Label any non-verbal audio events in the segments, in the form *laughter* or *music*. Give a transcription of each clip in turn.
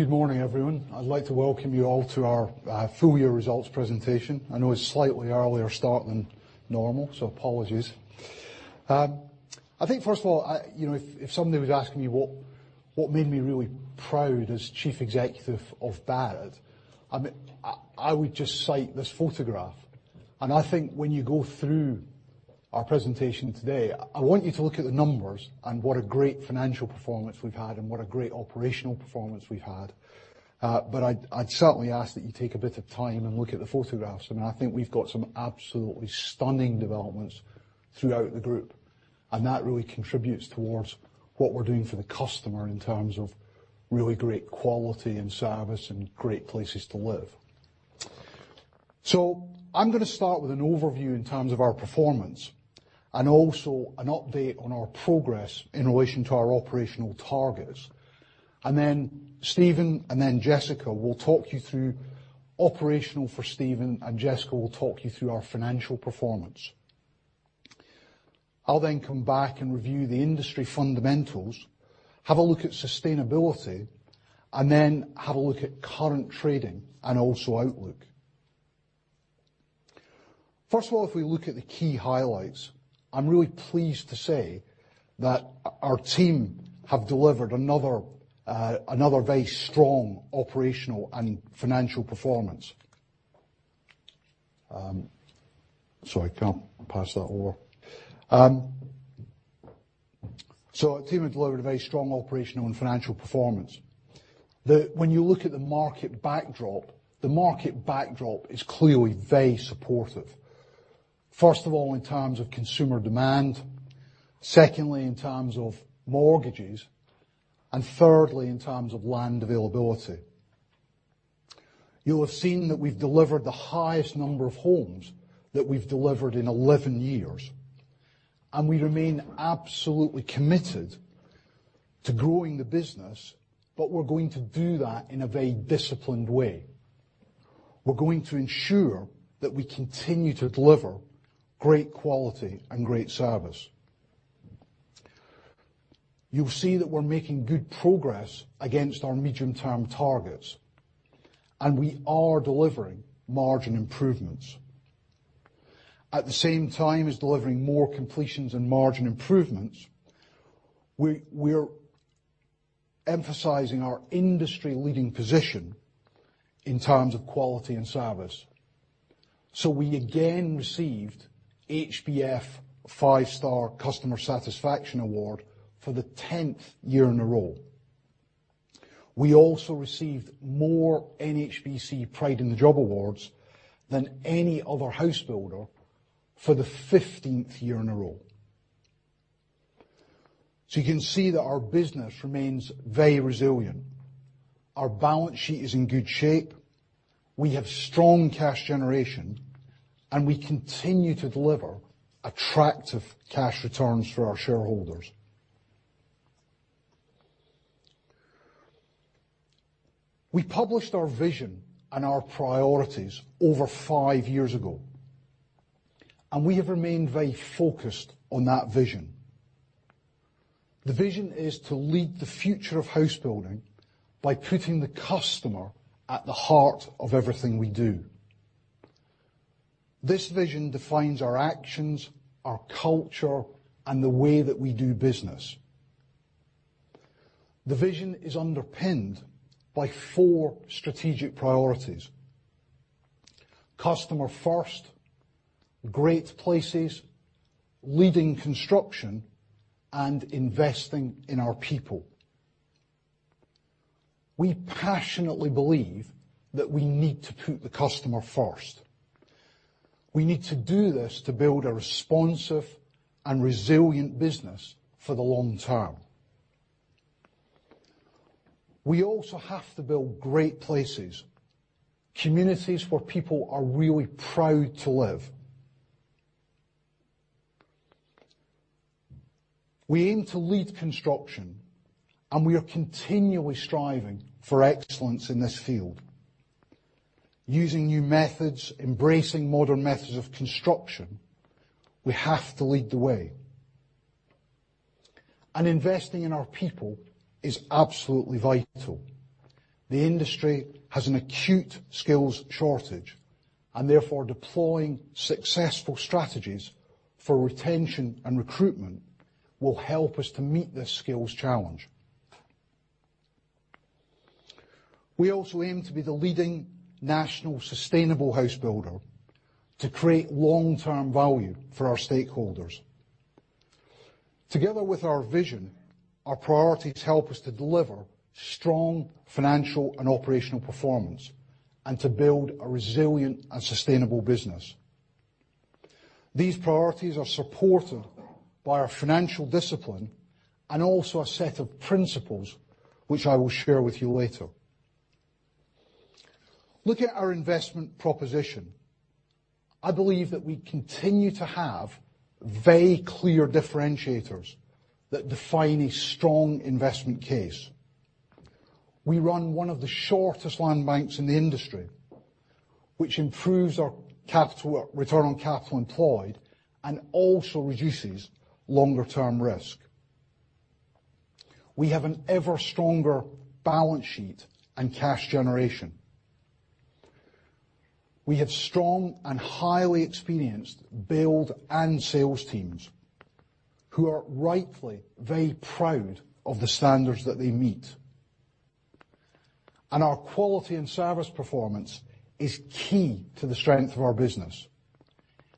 Good morning, everyone. I'd like to welcome you all to our full year results presentation. I know it's a slightly earlier start than normal, so apologies. I think, first of all, if somebody was asking me what made me really proud as Chief Executive of Barratt, I would just cite this photograph. I think when you go through our presentation today, I want you to look at the numbers and what a great financial performance we've had and what a great operational performance we've had. I'd certainly ask that you take a bit of time and look at the photographs. I think we've got some absolutely stunning developments throughout the group, and that really contributes towards what we're doing for the customer in terms of really great quality and service and great places to live. I'm going to start with an overview in terms of our performance and also an update on our progress in relation to our operational targets. Then Steven, and then Jessica will talk you through our financial performance. I'll come back and review the industry fundamentals, have a look at sustainability, and have a look at current trading and also outlook. First of all, if we look at the key highlights, I'm really pleased to say that our team have delivered another very strong operational and financial performance. Sorry, I can't pass that over. Our team have delivered a very strong operational and financial performance. When you look at the market backdrop, the market backdrop is clearly very supportive. First of all, in terms of consumer demand. Secondly, in terms of mortgages. Thirdly, in terms of land availability. You'll have seen that we've delivered the highest number of homes that we've delivered in 11 years. We remain absolutely committed to growing the business, but we're going to do that in a very disciplined way. We're going to ensure that we continue to deliver great quality and great service. You'll see that we're making good progress against our medium-term targets, and we are delivering margin improvements. At the same time as delivering more completions and margin improvements, we are emphasizing our industry leading position in terms of quality and service. We again received HBF Five Star Customer Satisfaction Award for the 10th year in a row. We also received more NHBC Pride in the Job awards than any other house builder for the 15th year in a row. You can see that our business remains very resilient. Our balance sheet is in good shape. We have strong cash generation, and we continue to deliver attractive cash returns for our shareholders. We published our vision and our priorities over five years ago, and we have remained very focused on that vision. The vision is to lead the future of house building by putting the customer at the heart of everything we do. This vision defines our actions, our culture, and the way that we do business. The vision is underpinned by four strategic priorities: Customer First, Great Places, Leading Construction, and Investing in Our People. We passionately believe that we need to put the customer first. We need to do this to build a responsive and resilient business for the long term. We also have to build Great Places, communities where people are really proud to live. We aim to lead construction. We are continually striving for excellence in this field. Using new methods, embracing modern methods of construction, we have to lead the way. Investing in our people is absolutely vital. The industry has an acute skills shortage. Therefore, deploying successful strategies for retention and recruitment will help us to meet this skills challenge. We also aim to be the leading national sustainable housebuilder to create long-term value for our stakeholders. Together with our vision, our priorities help us to deliver strong financial and operational performance and to build a resilient and sustainable business. These priorities are supported by our financial discipline and also a set of principles which I will share with you later. Look at our investment proposition. I believe that we continue to have very clear differentiators that define a strong investment case. We run one of the shortest land banks in the industry, which improves our return on capital employed and also reduces longer-term risk. We have an ever-stronger balance sheet and cash generation. We have strong and highly experienced build and sales teams who are rightly very proud of the standards that they meet. Our quality and service performance is key to the strength of our business.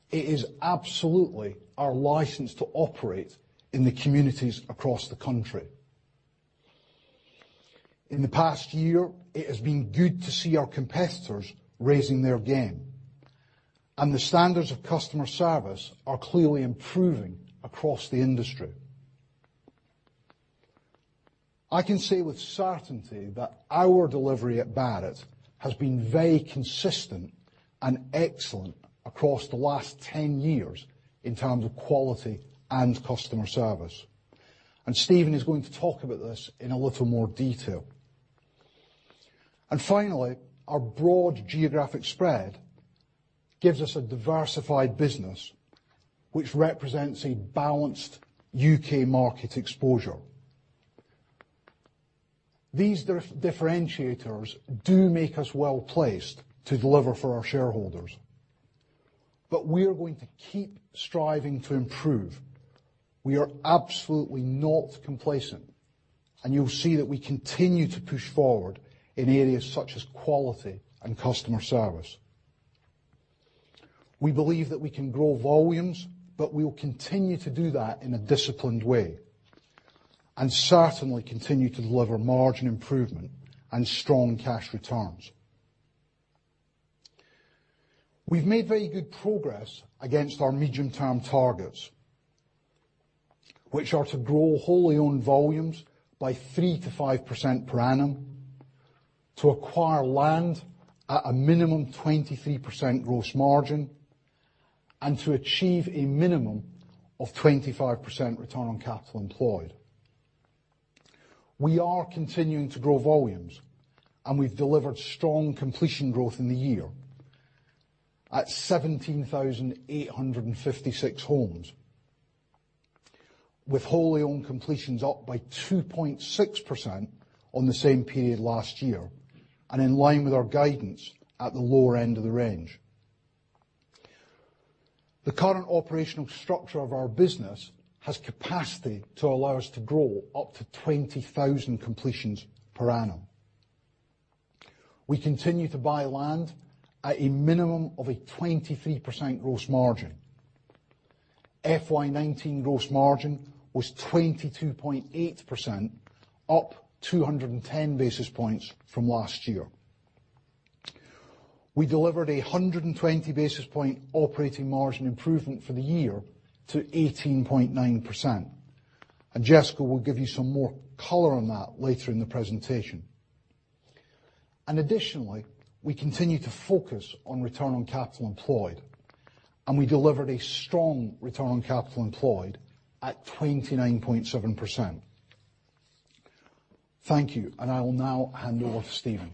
It is absolutely our license to operate in the communities across the country. In the past year, it has been good to see our competitors raising their game, and the standards of customer service are clearly improving across the industry. I can say with certainty that our delivery at Barratt has been very consistent and excellent across the last 10 years in terms of quality and customer service. Steven is going to talk about this in a little more detail. Finally, our broad geographic spread gives us a diversified business, which represents a balanced U.K. market exposure. These differentiators do make us well-placed to deliver for our shareholders. We are going to keep striving to improve. We are absolutely not complacent, and you'll see that we continue to push forward in areas such as quality and customer service. We believe that we can grow volumes, but we will continue to do that in a disciplined way, and certainly continue to deliver margin improvement and strong cash returns. We've made very good progress against our medium-term targets, which are to grow wholly owned volumes by 3%-5% per annum, to acquire land at a minimum 23% gross margin, and to achieve a minimum of 25% return on capital employed. We are continuing to grow volumes, and we've delivered strong completion growth in the year at 17,856 homes, with wholly owned completions up by 2.6% on the same period last year, and in line with our guidance at the lower end of the range. The current operational structure of our business has capacity to allow us to grow up to 20,000 completions per annum. We continue to buy land at a minimum of a 23% gross margin. FY 2019 gross margin was 22.8%, up 210 basis points from last year. We delivered 120 basis point operating margin improvement for the year to 18.9%, and Jessica will give you some more color on that later in the presentation. And Additionally, we continue to focus on return on capital employed, and we delivered a strong return on capital employed at 29.7%. Thank you, and I will now hand over to Steven.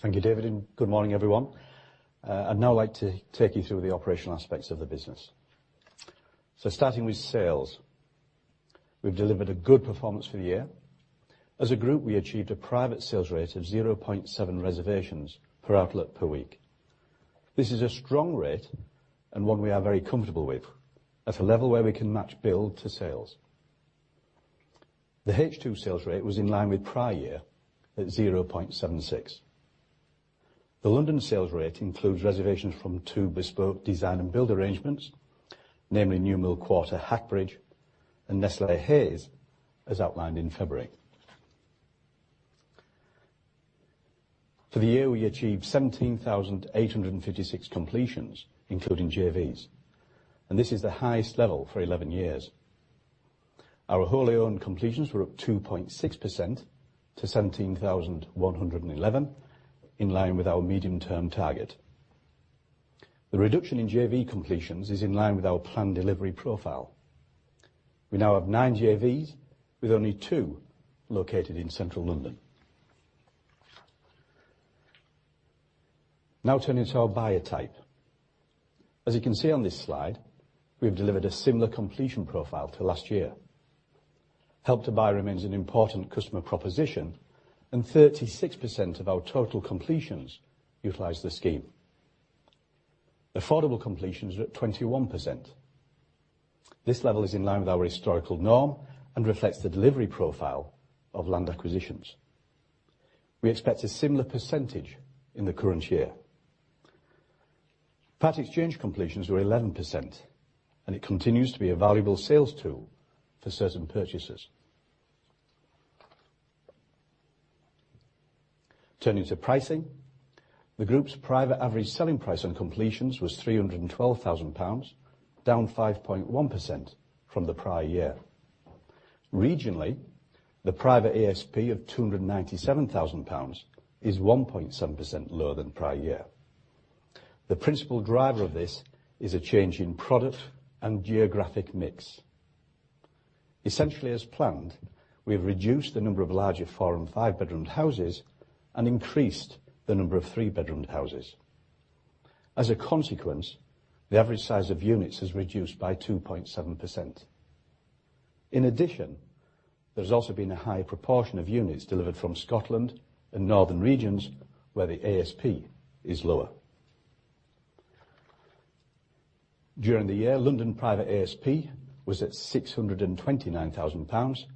Thank you, David. Good morning, everyone. I'd now like to take you through the operational aspects of the business. Starting with sales, we've delivered a good performance for the year. As a group, we achieved a private sales rate of 0.7 reservations per outlet per week. This is a strong rate and one we are very comfortable with, at a level where we can match build to sales. The H2 sales rate was in line with prior year at 0.76. The London sales rate includes reservations from two bespoke design and build arrangements, namely New Mill Quarter Hackbridge and Nestlé Hayes, as outlined in February. For the year, we achieved 17,856 completions, including JVs, and this is the highest level for 11 years. Our wholly owned completions were up 2.6% to 17,111, in line with our medium-term target. The reduction in JV completions is in line with our planned delivery profile. We now have nine JVs, with only two located in central London. Turning to our buyer type. As you can see on this slide, we've delivered a similar completion profile to last year. Help to Buy remains an important customer proposition, 36% of our total completions utilize the scheme. Affordable completions are at 21%. This level is in line with our historical norm and reflects the delivery profile of land acquisitions. We expect a similar percentage in the current year. Part exchange completions were 11%, it continues to be a valuable sales tool for certain purchasers. Turning to pricing. The group's private average selling price on completions was 312,000 pounds, down 5.1% from the prior year. Regionally, the private ASP of 297,000 pounds is 1.7% lower than prior year. The principal driver of this is a change in product and geographic mix. Essentially, as planned, we've reduced the number of larger four and five-bedroomed houses and increased the number of three-bedroomed houses. As a consequence, the average size of units has reduced by 2.7%. In addition, there's also been a high proportion of units delivered from Scotland and northern regions, where the ASP is lower. During the year, London private ASP was at 629,000 pounds,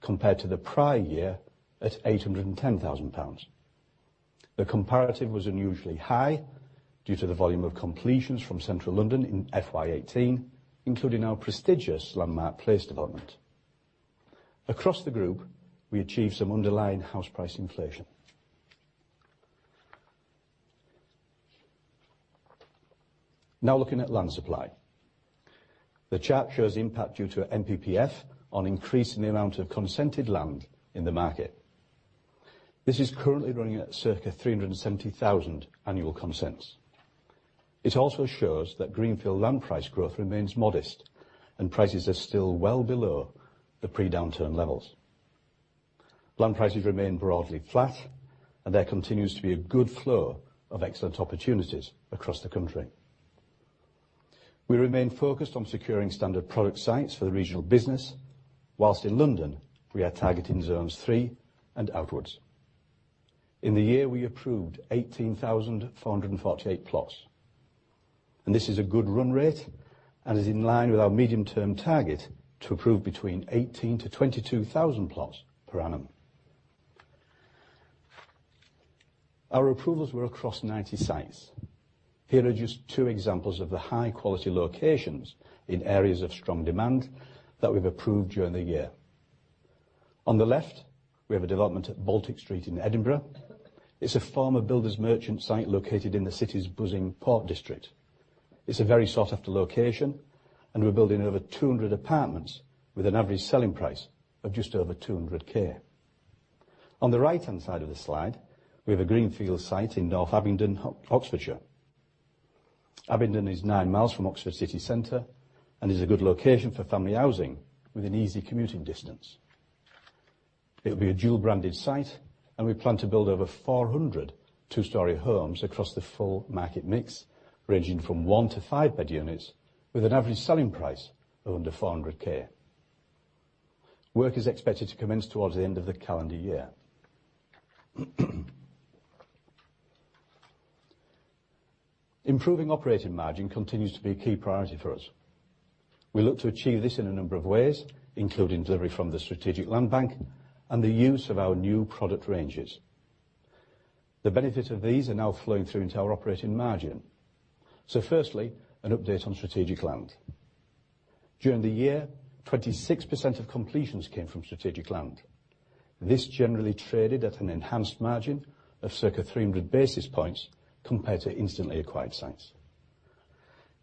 compared to the prior year at 810,000 pounds. The comparative was unusually high due to the volume of completions from Central London in FY 2018, including our prestigious Landmark Place development. Across the group, we achieved some underlying house price inflation. Now looking at land supply. The chart shows impact due to NPPF on increasing the amount of consented land in the market. This is currently running at circa 370,000 annual consents. It also shows that greenfield land price growth remains modest and prices are still well below the pre-downturn levels. Land prices remain broadly flat. There continues to be a good flow of excellent opportunities across the country. We remain focused on securing standard product sites for the regional business, whilst in London, we are targeting zones 3 and outwards. In the year, we approved 18,448 plots. This is a good run rate and is in line with our medium-term target to approve between 18,000 to 22,000 plots per annum. Our approvals were across 90 sites. Here are just two examples of the high-quality locations in areas of strong demand that we've approved during the year. On the left, we have a development at Baltic Street in Edinburgh. It's a former builder's merchant site located in the city's buzzing port district. It's a very sought-after location, and we're building over 200 apartments with an average selling price of just over 200,000. On the right-hand side of the slide, we have a greenfield site in North Abingdon, Oxfordshire. Abingdon is nine miles from Oxford City Centre and is a good location for family housing with an easy commuting distance. It'll be a dual-branded site, and we plan to build over 400 two-story homes across the full market mix, ranging from one to five bed units with an average selling price of under 400,000. Work is expected to commence towards the end of the calendar year. Improving operating margin continues to be a key priority for us. We look to achieve this in a number of ways, including delivery from the strategic land bank and the use of our new product ranges. The benefits of these are now flowing through into our operating margin. Firstly, an update on strategic land. During the year, 26% of completions came from strategic land. This generally traded at an enhanced margin of circa 300 basis points compared to instantly acquired sites.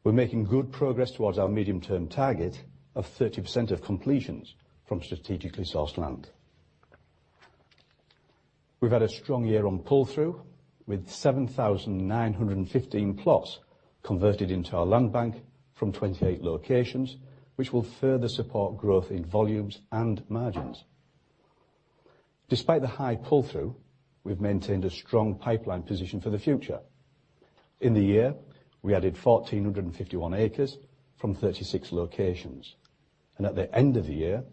We're making good progress towards our medium-term target of 30% of completions from strategically sourced land. We've had a strong year on pull-through, with 7,915 plots converted into our land bank from 28 locations, which will further support growth in volumes and margins. Despite the high pull-through, we've maintained a strong pipeline position for the future. In the year, we added 1,451 acres from 36 locations. At the end of the year,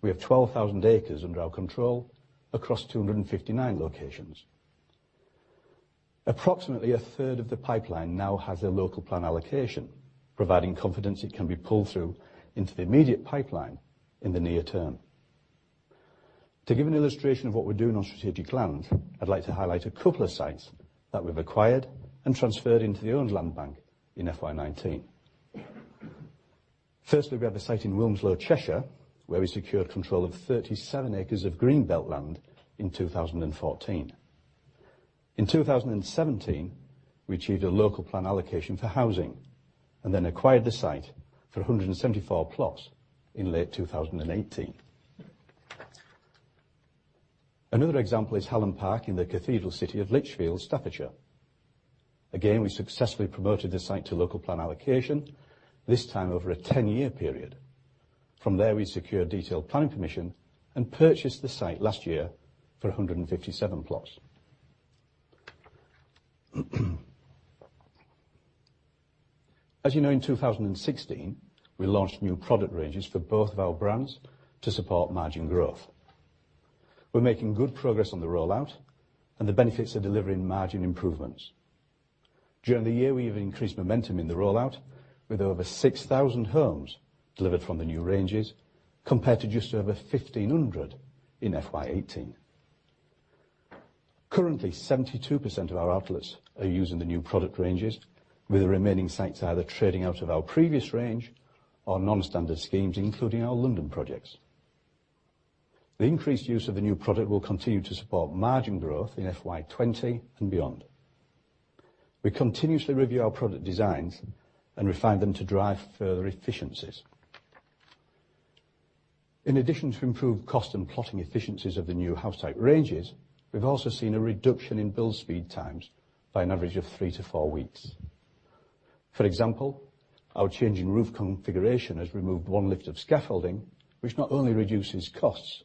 we have 12,000 acres under our control across 259 locations. Approximately 1/3 of the pipeline now has a local plan allocation, providing confidence it can be pulled through into the immediate pipeline in the near term. To give an illustration of what we're doing on strategic land, I'd like to highlight a couple of sites that we've acquired and transferred into the owned land bank in FY 2019. Firstly, we have a site in Wilmslow, Cheshire, where we secured control of 37 acres of green belt land in 2014. In 2017, we achieved a local plan allocation for housing and then acquired the site for 174 plots in late 2018. Another example is Helen Park in the Cathedral City of Lichfield, Staffordshire. Again, we successfully promoted the site to local plan allocation, this time over a 10-year period. From there, we secured detailed planning permission and purchased the site last year for 157 plots. As you know, in 2016, we launched new product ranges for both of our brands to support margin growth. We're making good progress on the rollout, and the benefits are delivering margin improvements. During the year, we've increased momentum in the rollout with over 6,000 homes delivered from the new ranges, compared to just over 1,500 in FY 2018. Currently, 72% of our outlets are using the new product ranges, with the remaining sites either trading out of our previous range or non-standard schemes, including our London projects. The increased use of the new product will continue to support margin growth in FY 2020 and beyond. We continuously review our product designs and refine them to drive further efficiencies. In addition to improved cost and plotting efficiencies of the new house type ranges, we've also seen a reduction in build speed times by an average of three to four weeks. For example, our change in roof configuration has removed one lift of scaffolding, which not only reduces costs,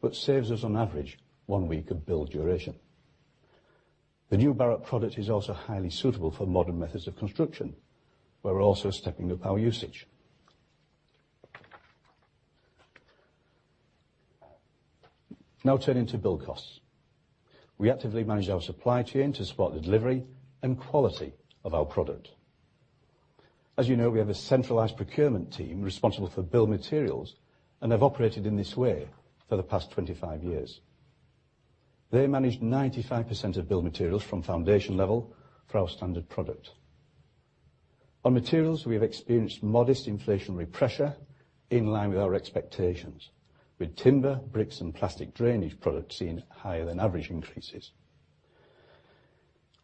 but saves us, on average, one week of build duration. The new Barratt product is also highly suitable for modern methods of construction. We're also stepping up our usage. Turning to build costs. We actively manage our supply chain to spot the delivery and quality of our product. As you know, we have a centralized procurement team responsible for build materials and have operated in this way for the past 25 years. They manage 95% of build materials from foundation level for our standard product. On materials, we have experienced modest inflationary pressure in line with our expectations, with timber, bricks, and plastic drainage products seeing higher than average increases.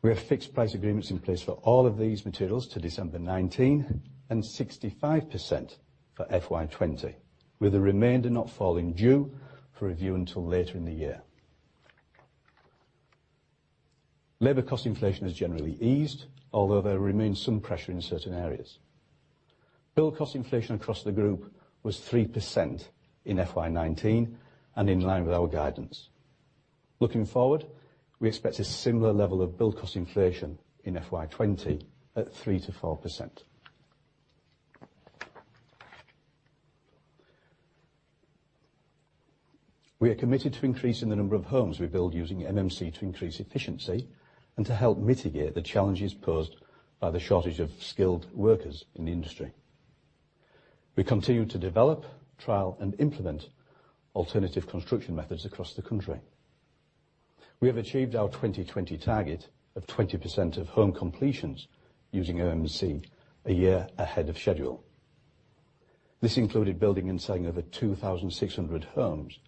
We have fixed price agreements in place for all of these materials to December 2019, and 65% for FY 2020, with the remainder not falling due for review until later in the year. Labor cost inflation has generally eased, although there remains some pressure in certain areas. Build cost inflation across the group was 3% in FY 2019 and in line with our guidance. Looking forward, we expect a similar level of build cost inflation in FY 2020 at 3%-4%. We are committed to increasing the number of homes we build using MMC to increase efficiency and to help mitigate the challenges posed by the shortage of skilled workers in the industry. We continue to develop, trial, and implement alternative construction methods across the country. We have achieved our 2020 target of 20% of home completions using MMC a year ahead of schedule. This included building and selling over 2,600 homes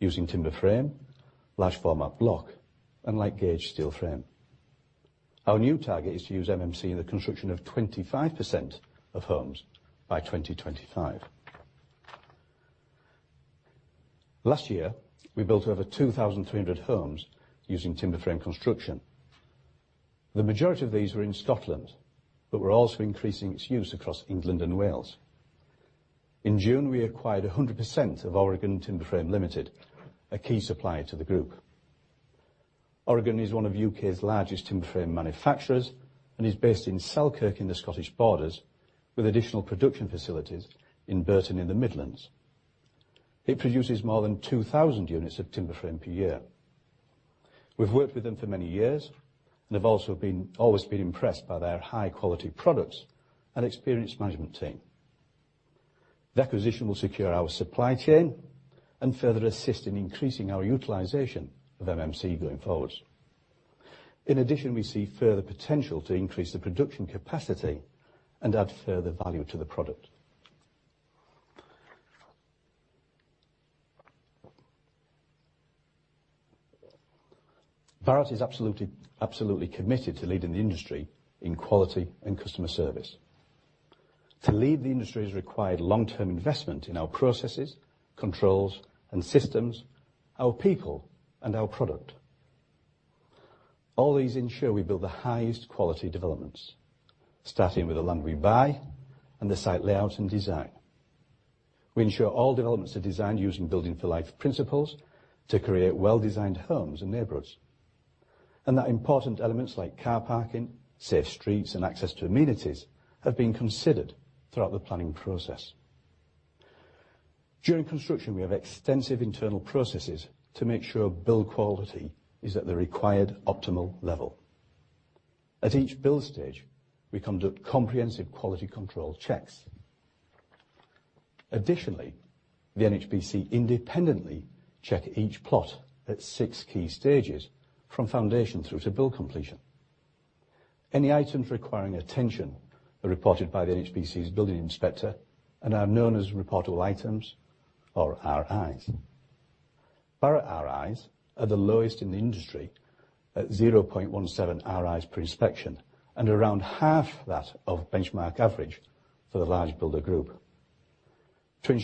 using timber frame, large format block, and light gauge steel frame. Our new target is to use MMC in the construction of 25% of homes by 2025. Last year, we built over 2,300 homes using timber frame construction. The majority of these were in Scotland, but we're also increasing its use across England and Wales. In June, we acquired 100% of Oregon Timber Frame Limited, a key supplier to the group. Oregon is one of U.K.'s largest timber frame manufacturers and is based in Selkirk in the Scottish Borders, with additional production facilities in Burton in the Midlands. It produces more than 2,000 units of timber frame per year. We've worked with them for many years, and have always been impressed by their high quality products and experienced management team. The acquisition will secure our supply chain and further assist in increasing our utilization of MMC going forward. We see further potential to increase the production capacity and add further value to the product. Barratt is absolutely committed to leading the industry in quality and customer service. To lead the industry has required long-term investment in our processes, controls, and systems, our people, and our product. All these ensure we build the highest quality developments, starting with the land we buy and the site layout and design. We ensure all developments are designed using Building for Life principles to create well-designed homes and neighborhoods, and that important elements like car parking, safe streets, and access to amenities have been considered throughout the planning process. During construction, we have extensive internal processes to make sure build quality is at the required optimal level. At each build stage, we conduct comprehensive quality control checks. Additionally, the NHBC independently check each plot at 6 key stages from foundation through to build completion. Any items requiring attention are reported by the NHBC's building inspector and are known as Reportable Items, or RIs. Barratt RIs are the lowest in the industry at 0.17 RIs per inspection, and around half that of benchmark average for the large builder group. We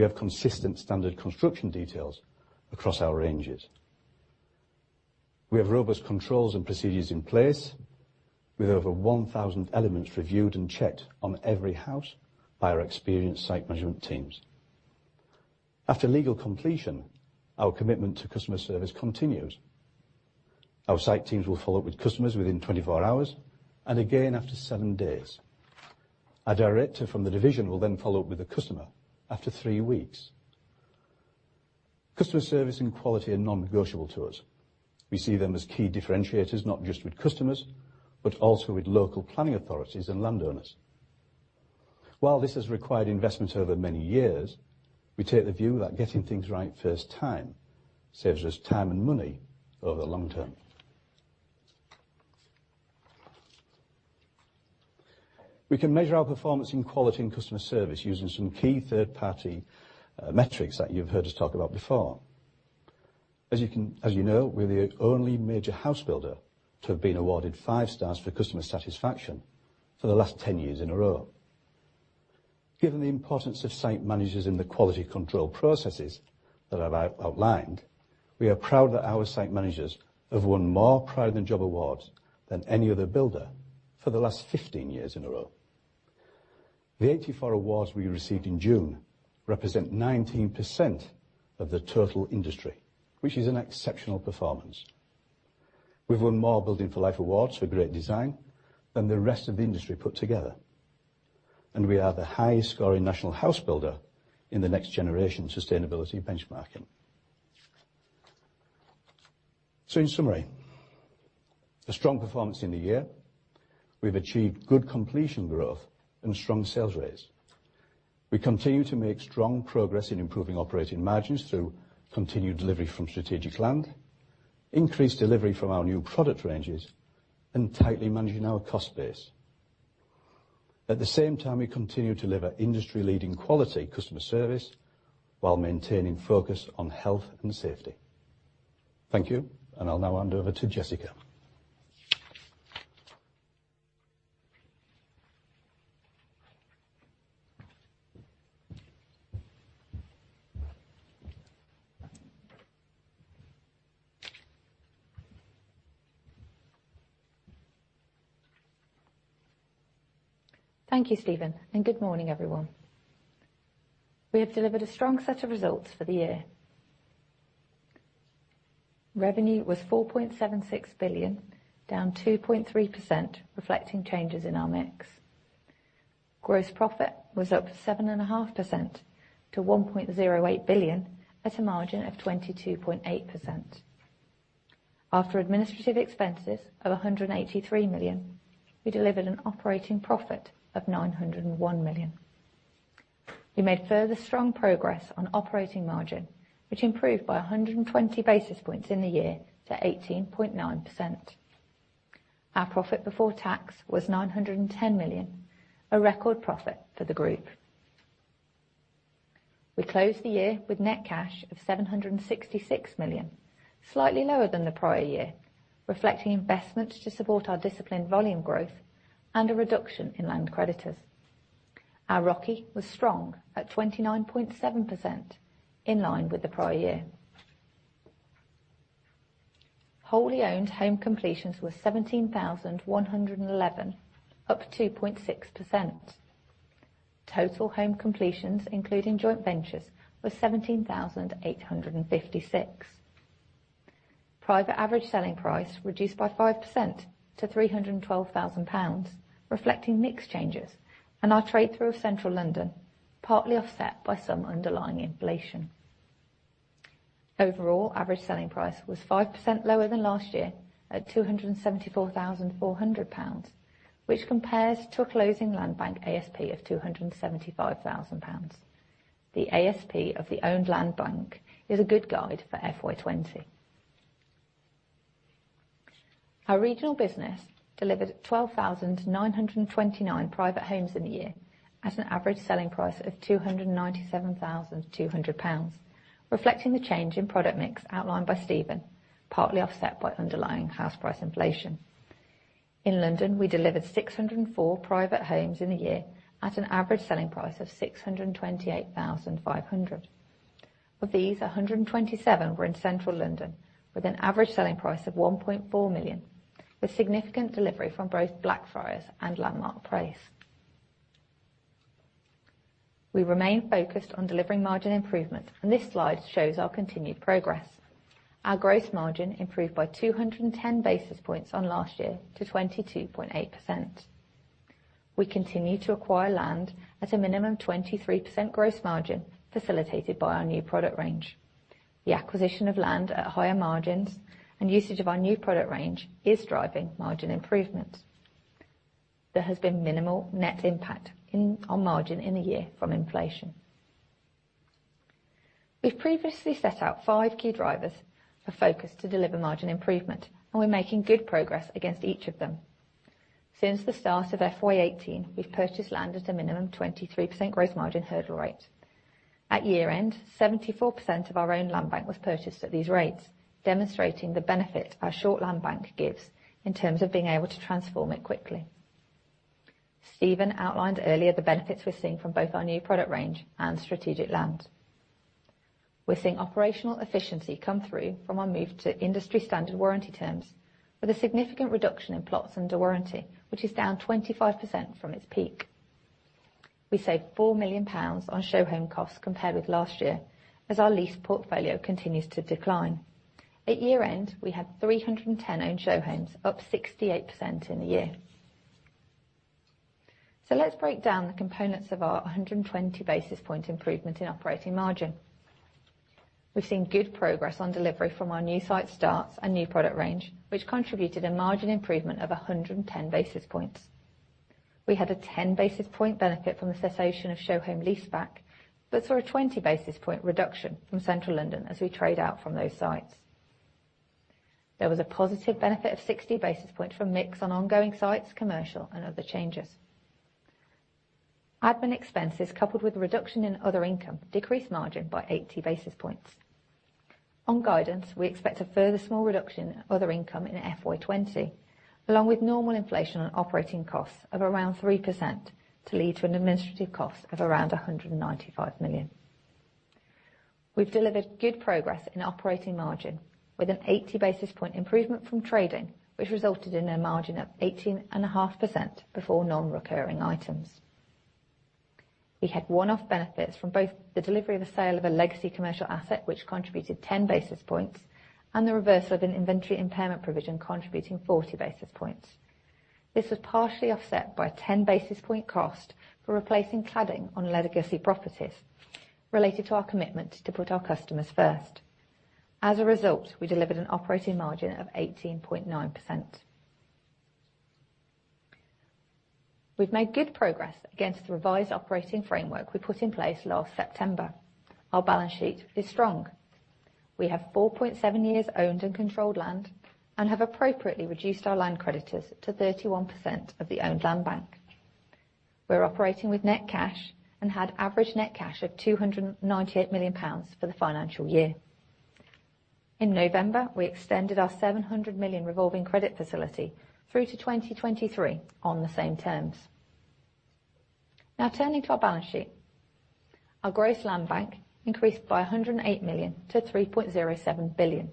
have consistent standard construction details across our ranges. We have robust controls and procedures in place, with over 1,000 elements reviewed and checked on every house by our experienced site measurement teams. After legal completion, our commitment to customer service continues. Our site teams will follow up with customers within 24 hours, and again after seven days. A director from the division will then follow up with the customer after three weeks. Customer service and quality are non-negotiable to us. We see them as key differentiators, not just with customers, but also with local planning authorities and landowners. While this has required investment over many years, we take the view that getting things right first time saves us time and money over the long term. We can measure our performance in quality and customer service using some key third-party metrics that you've heard us talk about before. As you know, we're the only major house builder to have been awarded Five Stars for customer satisfaction for the last 10 years in a row. Given the importance of site managers in the quality control processes that I've outlined, we are proud that our site managers have won more Pride in Job awards than any other builder for the last 15 years in a row. The 84 awards we received in June represent 19% of the total industry, which is an exceptional performance. We've won more Building for Life awards for great design than the rest of the industry put together. We are the highest scoring national house builder in the NextGeneration Sustainability Benchmark. In summary, a strong performance in the year. We've achieved good completion growth and strong sales rates. We continue to make strong progress in improving operating margins through continued delivery from strategic land, increased delivery from our new product ranges, and tightly managing our cost base. At the same time, we continue to deliver industry leading quality customer service while maintaining focus on health and safety. Thank you. I'll now hand over to Jessica. Thank you, Steven. Good morning, everyone. We have delivered a strong set of results for the year. Revenue was 4.76 billion, down 2.3%, reflecting changes in our mix. Gross profit was up 7.5% to 1.08 billion at a margin of 22.8%. After administrative expenses of 183 million, we delivered an operating profit of 901 million. We made further strong progress on operating margin, which improved by 120 basis points in the year to 18.9%. Our profit before tax was 910 million, a record profit for the group. We closed the year with net cash of 766 million, slightly lower than the prior year, reflecting investments to support our disciplined volume growth and a reduction in land creditors. Our ROCE was strong at 29.7%, in line with the prior year. Wholly owned home completions were 17,111, up 2.6%. Total home completions, including Joint Ventures, were 17,856. Private average selling price reduced by 5% to 312,000 pounds, reflecting mix changes and our trade through of Central London, partly offset by some underlying inflation. Overall, average selling price was 5% lower than last year at 274,400 pounds, which compares to a closing land bank ASP of 275,000 pounds. The ASP of the owned land bank is a good guide for FY 2020. Our regional business delivered 12,929 private homes in the year at an average selling price of 297,200 pounds, reflecting the change in product mix outlined by Steven, partly offset by underlying house price inflation. In London, we delivered 604 private homes in the year at an average selling price of 628,500. Of these, 127 were in Central London with an average selling price of 1.4 million, with significant delivery from both Blackfriars and Landmark Place. We remain focused on delivering margin improvement, and this slide shows our continued progress. Our gross margin improved by 210 basis points on last year to 22.8%. We continue to acquire land at a minimum 23% gross margin facilitated by our new product range. The acquisition of land at higher margins and usage of our new product range is driving margin improvements. There has been minimal net impact on margin in the year from inflation. We've previously set out five key drivers of focus to deliver margin improvement, and we're making good progress against each of them. Since the start of FY 2018, we've purchased land at a minimum 23% gross margin hurdle rate. At year end, 74% of our own land bank was purchased at these rates, demonstrating the benefit our short land bank gives in terms of being able to transform it quickly. Steven outlined earlier the benefits we're seeing from both our new product range and strategic land. We're seeing operational efficiency come through from our move to industry standard warranty terms with a significant reduction in plots under warranty, which is down 25% from its peak. We saved 4 million pounds on show home costs compared with last year as our lease portfolio continues to decline. At year end, we had 310 owned show homes, up 68% in the year. Let's break down the components of our 120 basis point improvement in operating margin. We've seen good progress on delivery from our new site starts and new product range, which contributed a margin improvement of 110 basis points. We had a 10 basis point benefit from the cessation of show home lease back, saw a 20 basis point reduction from Central London as we trade out from those sites. There was a positive benefit of 60 basis points from mix on ongoing sites, commercial, and other changes. Admin expenses, coupled with a reduction in other income, decreased margin by 80 basis points. On guidance, we expect a further small reduction in other income in FY 2020, along with normal inflation on operating costs of around 3% to lead to an administrative cost of around 195 million. We've delivered good progress in operating margin, with an 80 basis point improvement from trading, which resulted in a margin of 18.5% before non-recurring items. We had one-off benefits from both the delivery of a sale of a legacy commercial asset, which contributed 10 basis points, and the reversal of an inventory impairment provision contributing 40 basis points. This was partially offset by a 10 basis point cost for replacing cladding on legacy properties related to our commitment to put our customers first. As a result, we delivered an operating margin of 18.9%. We've made good progress against the revised operating framework we put in place last September. Our balance sheet is strong. We have 4.7 years owned and controlled land and have appropriately reduced our land creditors to 31% of the owned land bank. We're operating with net cash and had average net cash of 298 million pounds for the financial year. In November, we extended our 700 million revolving credit facility through to 2023 on the same terms. Turning to our balance sheet. Our gross land bank increased by 108 million to 3.07 billion.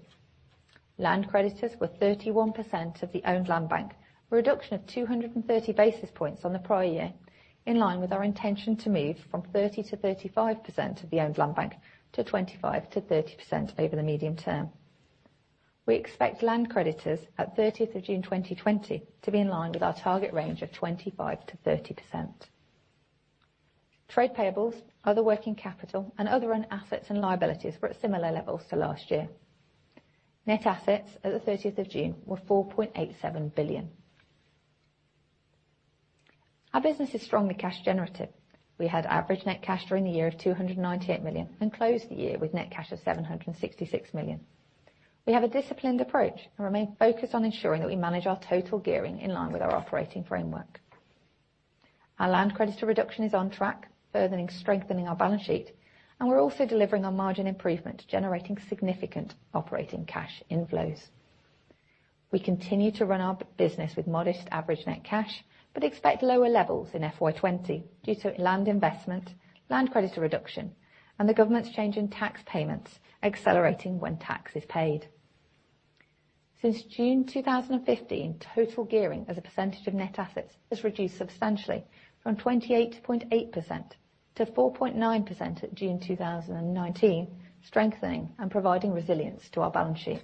Land creditors were 31% of the owned land bank, a reduction of 230 basis points on the prior year, in line with our intention to move from 30%-35% of the owned land bank to 25%-30% over the medium term. We expect land creditors at 30th of June 2020 to be in line with our target range of 25%-30%. Trade payables, other working capital, and other assets and liabilities were at similar levels to last year. Net assets at the 30th of June were 4.87 billion. Our business is strongly cash generative. We had average net cash during the year of 298 million and closed the year with net cash of 766 million. We have a disciplined approach and remain focused on ensuring that we manage our total gearing in line with our operating framework. Our land creditor reduction is on track, further strengthening our balance sheet, and we're also delivering on margin improvement, generating significant operating cash inflows. We continue to run our business with modest average net cash. Expect lower levels in FY 2020 due to land investment, land creditor reduction, and the government's change in tax payments accelerating when tax is paid. Since June 2015, total gearing as a percentage of net assets has reduced substantially from 28.8%-4.9% at June 2019, strengthening and providing resilience to our balance sheet.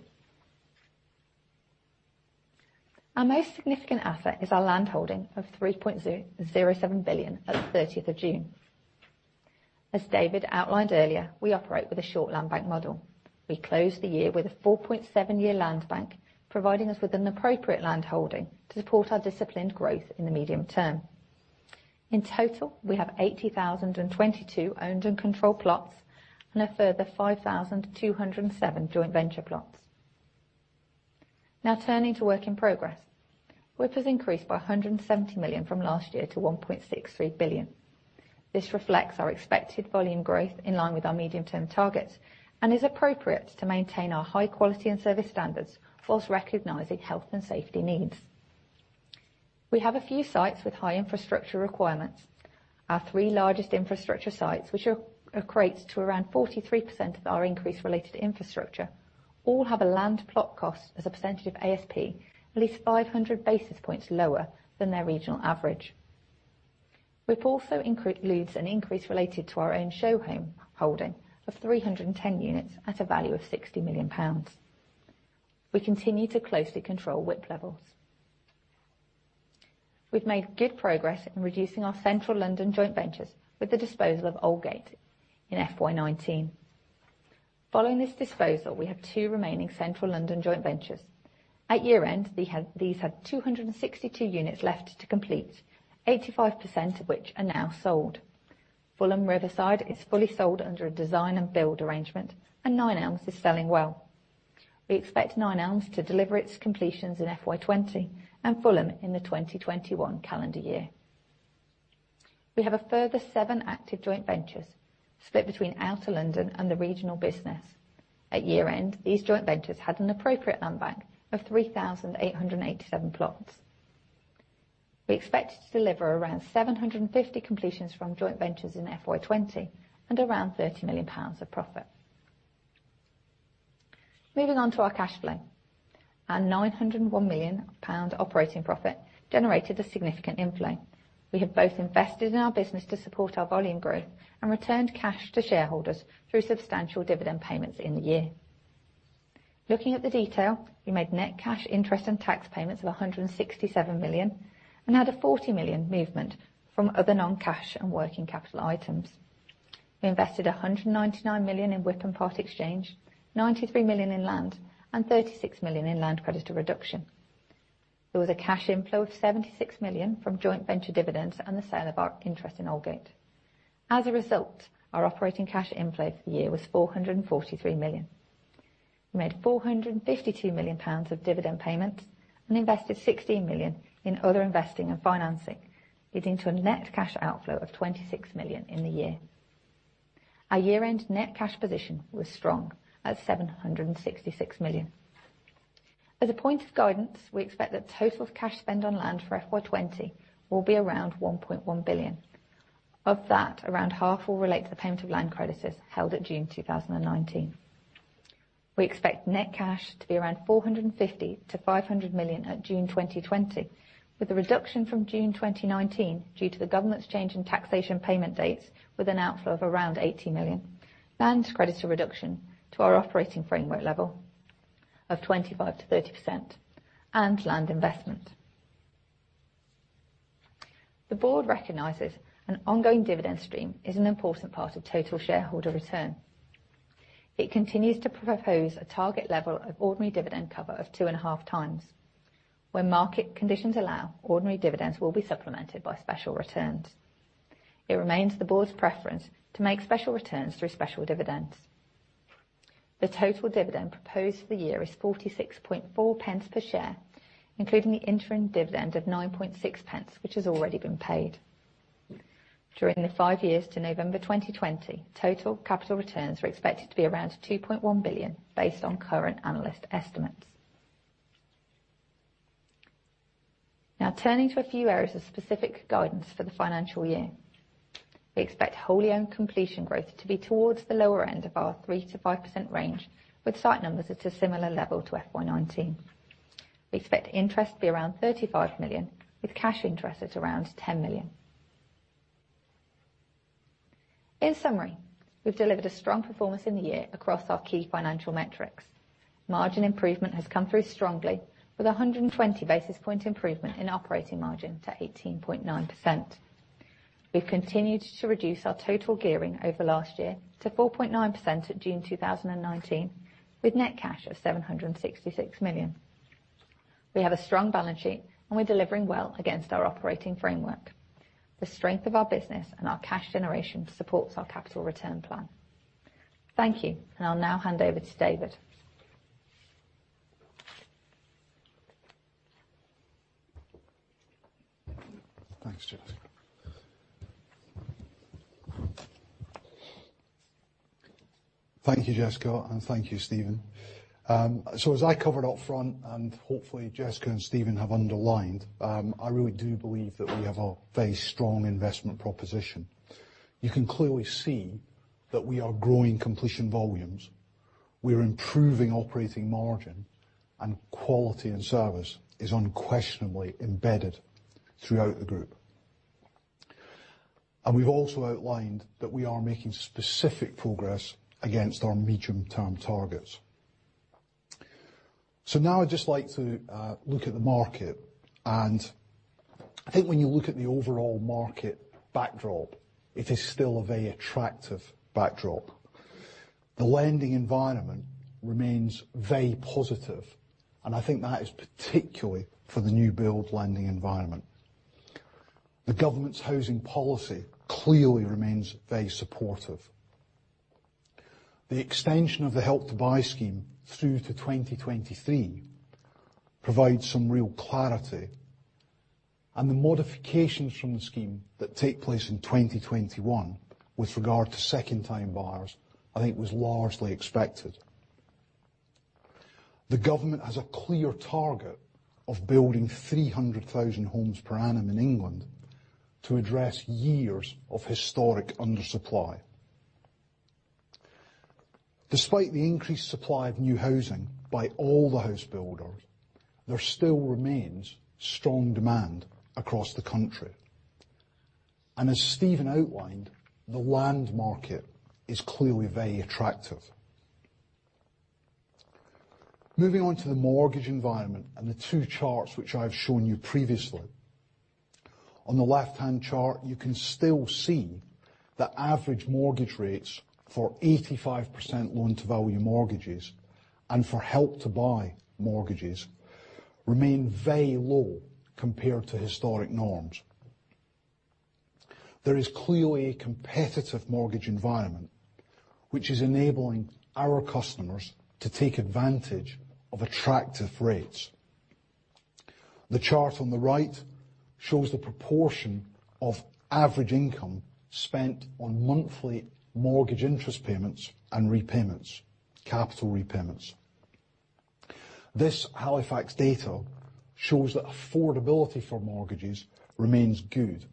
Our most significant asset is our land holding of 3.07 billion at the 30th of June. As David outlined earlier, we operate with a short land bank model. We closed the year with a 4.7-year land bank, providing us with an appropriate land holding to support our disciplined growth in the medium term. In total, we have 80,022 owned and controlled plots and a further 5,207 Joint Venture plots. Turning to work in progress. WIP has increased by 170 million from last year to 1.63 billion. This reflects our expected volume growth in line with our medium-term targets and is appropriate to maintain our high quality and service standards whilst recognizing health and safety needs. We have a few sites with high infrastructure requirements. Our three largest infrastructure sites, which equates to around 43% of our increase related to infrastructure, all have a land plot cost as a percentage of ASP at least 500 basis points lower than their regional average. WIP also includes an increase related to our own show home holding of 310 units at a value of 60 million pounds. We continue to closely control WIP levels. We've made good progress in reducing our central London joint ventures with the disposal of Aldgate in FY 2019. Following this disposal, we have two remaining central London joint ventures. At year end, these had 262 units left to complete, 85% of which are now sold. Fulham Riverside is fully sold under a design and build arrangement, and Nine Elms is selling well. We expect Nine Elms to deliver its completions in FY 2020 and Fulham in the 2021 calendar year. We have a further seven active Joint Ventures split between outer London and the regional business. At year end, these Joint Ventures had an appropriate land bank of 3,887 plots. We expect to deliver around 750 completions from Joint Ventures in FY 2020 and around 30 million pounds of profit. Moving on to our cash flow. Our 901 million pound operating profit generated a significant inflow. We have both invested in our business to support our volume growth and returned cash to shareholders through substantial dividend payments in the year. Looking at the detail, we made net cash interest and tax payments of 167 million and had a 40 million movement from other non-cash and working capital items. We invested 199 million in WIP and part exchange, 93 million in land, and 36 million in land creditor reduction. There was a cash inflow of 76 million from joint venture dividends and the sale of our interest in Aldgate. As a result, our operating cash inflow for the year was 443 million. We made 452 million pounds of dividend payment and invested 16 million in other investing and financing, leading to a net cash outflow of 26 million in the year. Our year-end net cash position was strong at 766 million. As a point of guidance, we expect the total of cash spend on land for FY 2020 will be around 1.1 billion. Of that, around half will relate to the payment of Land credits held at June 2019. We expect net cash to be around 450 million-500 million at June 2020, with a reduction from June 2019 due to the government's change in taxation payment dates, with an outflow of around 80 million. Land credits are reduction to our operating framework level of 25%-30% and land investment. The board recognizes an ongoing dividend stream is an important part of total shareholder return. It continues to propose a target level of ordinary dividend cover of two and a half times. Where market conditions allow, ordinary dividends will be supplemented by special returns. It remains the board's preference to make special returns through special dividends. The total dividend proposed for the year is 0.464 per share, including the interim dividend of 0.096, which has already been paid. During the five years to November 2020, total capital returns are expected to be around 2.1 billion based on current analyst estimates. Now, turning to a few areas of specific guidance for the financial year. We expect wholly owned completion growth to be towards the lower end of our 3%-5% range, with site numbers at a similar level to FY 2019. We expect interest to be around 35 million, with cash interest at around 10 million. In summary, we've delivered a strong performance in the year across our key financial metrics. Margin improvement has come through strongly with 120 basis point improvement in operating margin to 18.9%. We've continued to reduce our total gearing over last year to 4.9% at June 2019, with net cash of 766 million. We have a strong balance sheet, and we're delivering well against our operating framework. The strength of our business and our cash generation supports our capital return plan. Thank you, and I'll now hand over to David. Thanks, Jessica. Thank you, Jessica, and thank you, Steven. As I covered up front, and hopefully Jessica and Steven have underlined, I really do believe that we have a very strong investment proposition. You can clearly see that we are growing completion volumes, we are improving operating margin, and quality and service is unquestionably embedded throughout the group. We've also outlined that we are making specific progress against our medium-term targets. Now I'd just like to look at the market. I think when you look at the overall market backdrop, it is still a very attractive backdrop. The lending environment remains very positive, and I think that is particularly for the new build lending environment. The government's housing policy clearly remains very supportive. The extension of the Help to Buy scheme through to 2023 provides some real clarity, and the modifications from the scheme that take place in 2021 with regard to second time buyers, I think was largely expected. The government has a clear target of building 300,000 homes per annum in England to address years of historic undersupply. Despite the increased supply of new housing by all the house builders, there still remains strong demand across the country. As Steven outlined, the land market is clearly very attractive. Moving on to the mortgage environment and the two charts which I've shown you previously. On the left-hand chart, you can still see that average mortgage rates for 85% loan to value mortgages and for Help to Buy mortgages remain very low compared to historic norms. There is clearly a competitive mortgage environment, which is enabling our customers to take advantage of attractive rates. The chart on the right shows the proportion of average income spent on monthly mortgage interest payments and repayments, capital repayments. This Halifax data shows that affordability for mortgages remains good,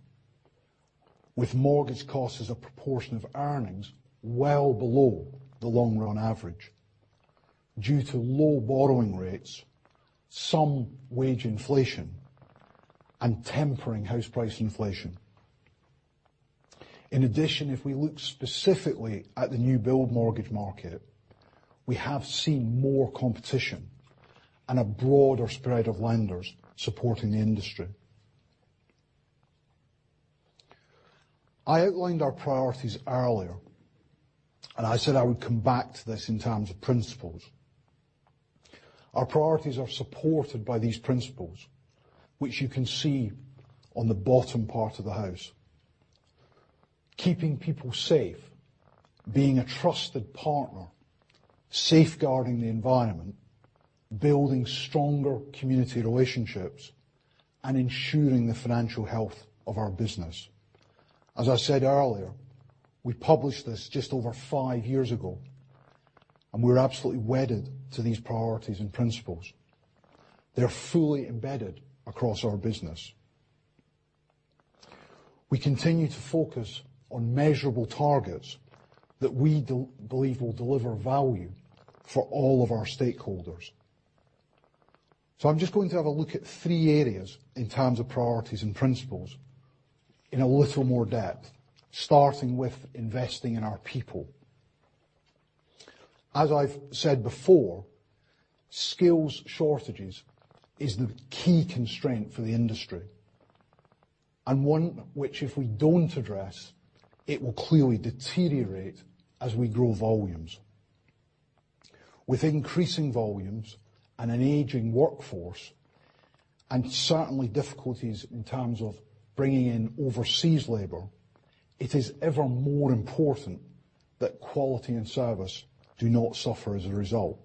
with mortgage costs as a proportion of earnings well below the long run average due to low borrowing rates, some wage inflation, and tempering house price inflation. In addition, if we look specifically at the new build mortgage market, we have seen more competition and a broader spread of lenders supporting the industry. I outlined our priorities earlier, and I said I would come back to this in terms of principles. Our priorities are supported by these principles, which you can see on the bottom part of the house. Keeping people safe, being a trusted partner, safeguarding the environment, building stronger community relationships, and ensuring the financial health of our business. As I said earlier, we published this just over five years ago, and we are absolutely wedded to these priorities and principles. They are fully embedded across our business. We continue to focus on measurable targets that we believe will deliver value for all of our stakeholders. I'm just going to have a look at three areas in terms of priorities and principles in a little more depth, starting with investing in our people. As I've said before, skills shortages is the key constraint for the industry, and one which if we don't address, it will clearly deteriorate as we grow volumes. With increasing volumes and an aging workforce, certainly difficulties in terms of bringing in overseas labor, it is ever more important that quality and service do not suffer as a result.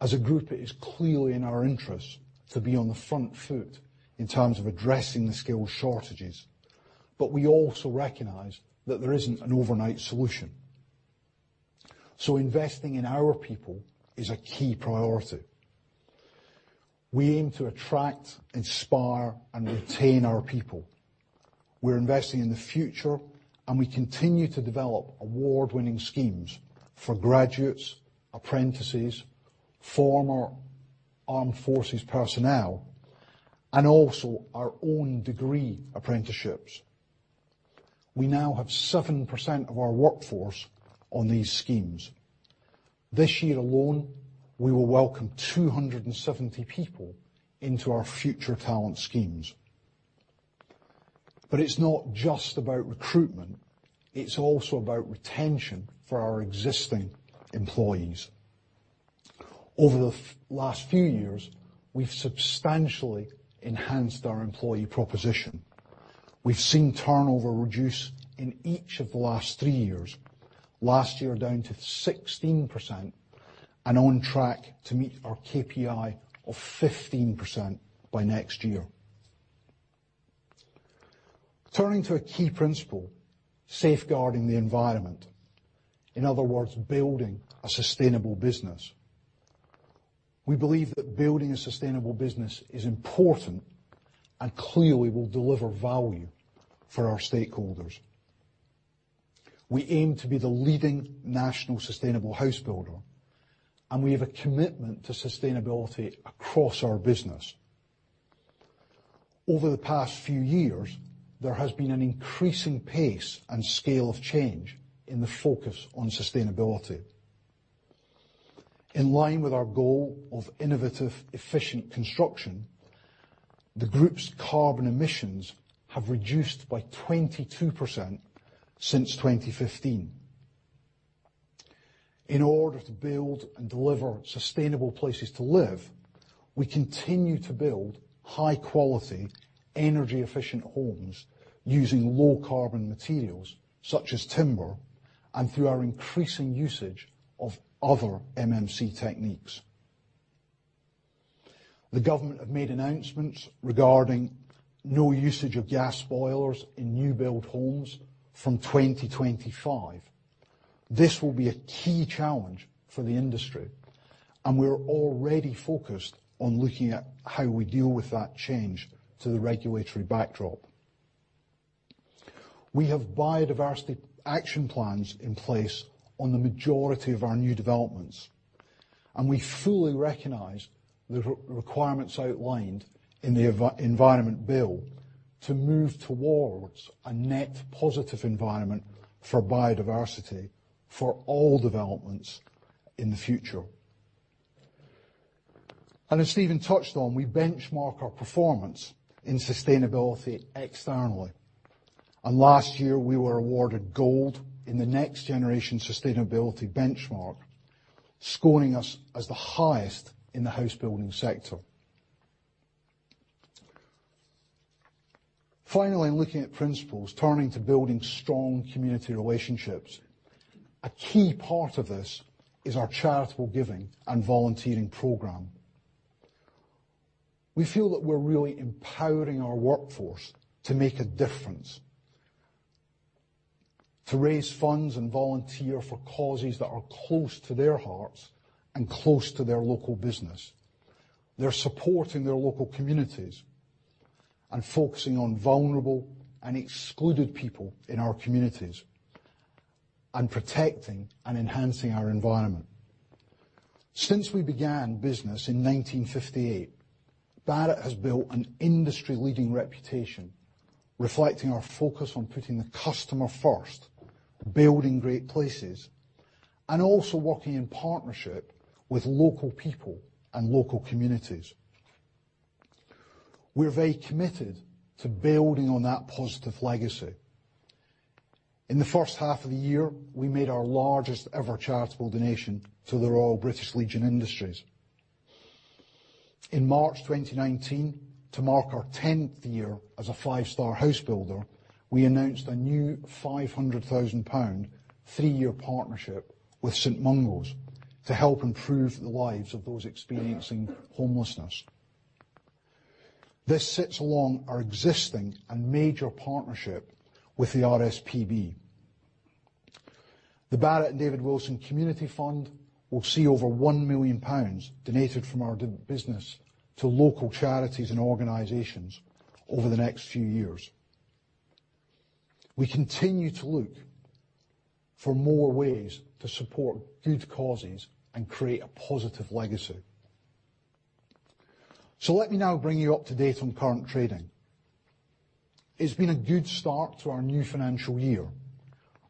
As a group, it is clearly in our interest to be on the front foot in terms of addressing the skills shortages. We also recognize that there isn't an overnight solution. Investing in our people is a key priority. We aim to attract, inspire, and retain our people. We are investing in the future and we continue to develop award-winning schemes for graduates, apprentices, former armed forces personnel, and also our own degree apprenticeships. We now have 7% of our workforce on these schemes. This year alone, we will welcome 270 people into our future talent schemes. It's not just about recruitment, it's also about retention for our existing employees. Over the last few years, we've substantially enhanced our employee proposition. We've seen turnover reduce in each of the last three years, last year down to 16% and on track to meet our KPI of 15% by next year. Turning to a key principle, safeguarding the environment. In other words, building a sustainable business. We believe that building a sustainable business is important and clearly will deliver value for our stakeholders. We aim to be the leading national sustainable house builder, and we have a commitment to sustainability across our business. Over the past few years, there has been an increasing pace and scale of change in the focus on sustainability. In line with our goal of innovative, efficient construction, the group's carbon emissions have reduced by 22% since 2015. In order to build and deliver sustainable places to live, we continue to build high quality, energy efficient homes using low carbon materials such as timber and through our increasing usage of other MMC techniques. The government have made announcements regarding no usage of gas boilers in new build homes from 2025. This will be a key challenge for the industry, and we are already focused on looking at how we deal with that change to the regulatory backdrop. We have biodiversity action plans in place on the majority of our new developments, and we fully recognize the requirements outlined in the environment bill to move towards a net positive environment for biodiversity for all developments in the future. As Steven touched on, we benchmark our performance in sustainability externally, and last year we were awarded gold in the NextGeneration Sustainability Benchmark, scoring us as the highest in the house building sector. Finally, in looking at principles, turning to building strong community relationships. A key part of this is our charitable giving and volunteering program. We feel that we're really empowering our workforce to make a difference. To raise funds and volunteer for causes that are close to their hearts and close to their local business. They're supporting their local communities and focusing on vulnerable and excluded people in our communities and protecting and enhancing our environment. Since we began business in 1958, Barratt has built an industry leading reputation reflecting our focus on putting the customer first, building great places and also working in partnership with local people and local communities. We are very committed to building on that positive legacy. In the first half of the year, we made our largest ever charitable donation to Royal British Legion Industries. In March 2019, to mark our 10th year as a five-star house builder, we announced a new 500,000 pound three-year partnership with St Mungo's to help improve the lives of those experiencing homelessness. This sits along our existing and major partnership with the RSPB. Barratt and David Wilson Community Fund will see over 1 million pounds donated from our business to local charities and organizations over the next few years. We continue to look for more ways to support good causes and create a positive legacy. Let me now bring you up to date on current trading. It's been a good start to our new financial year.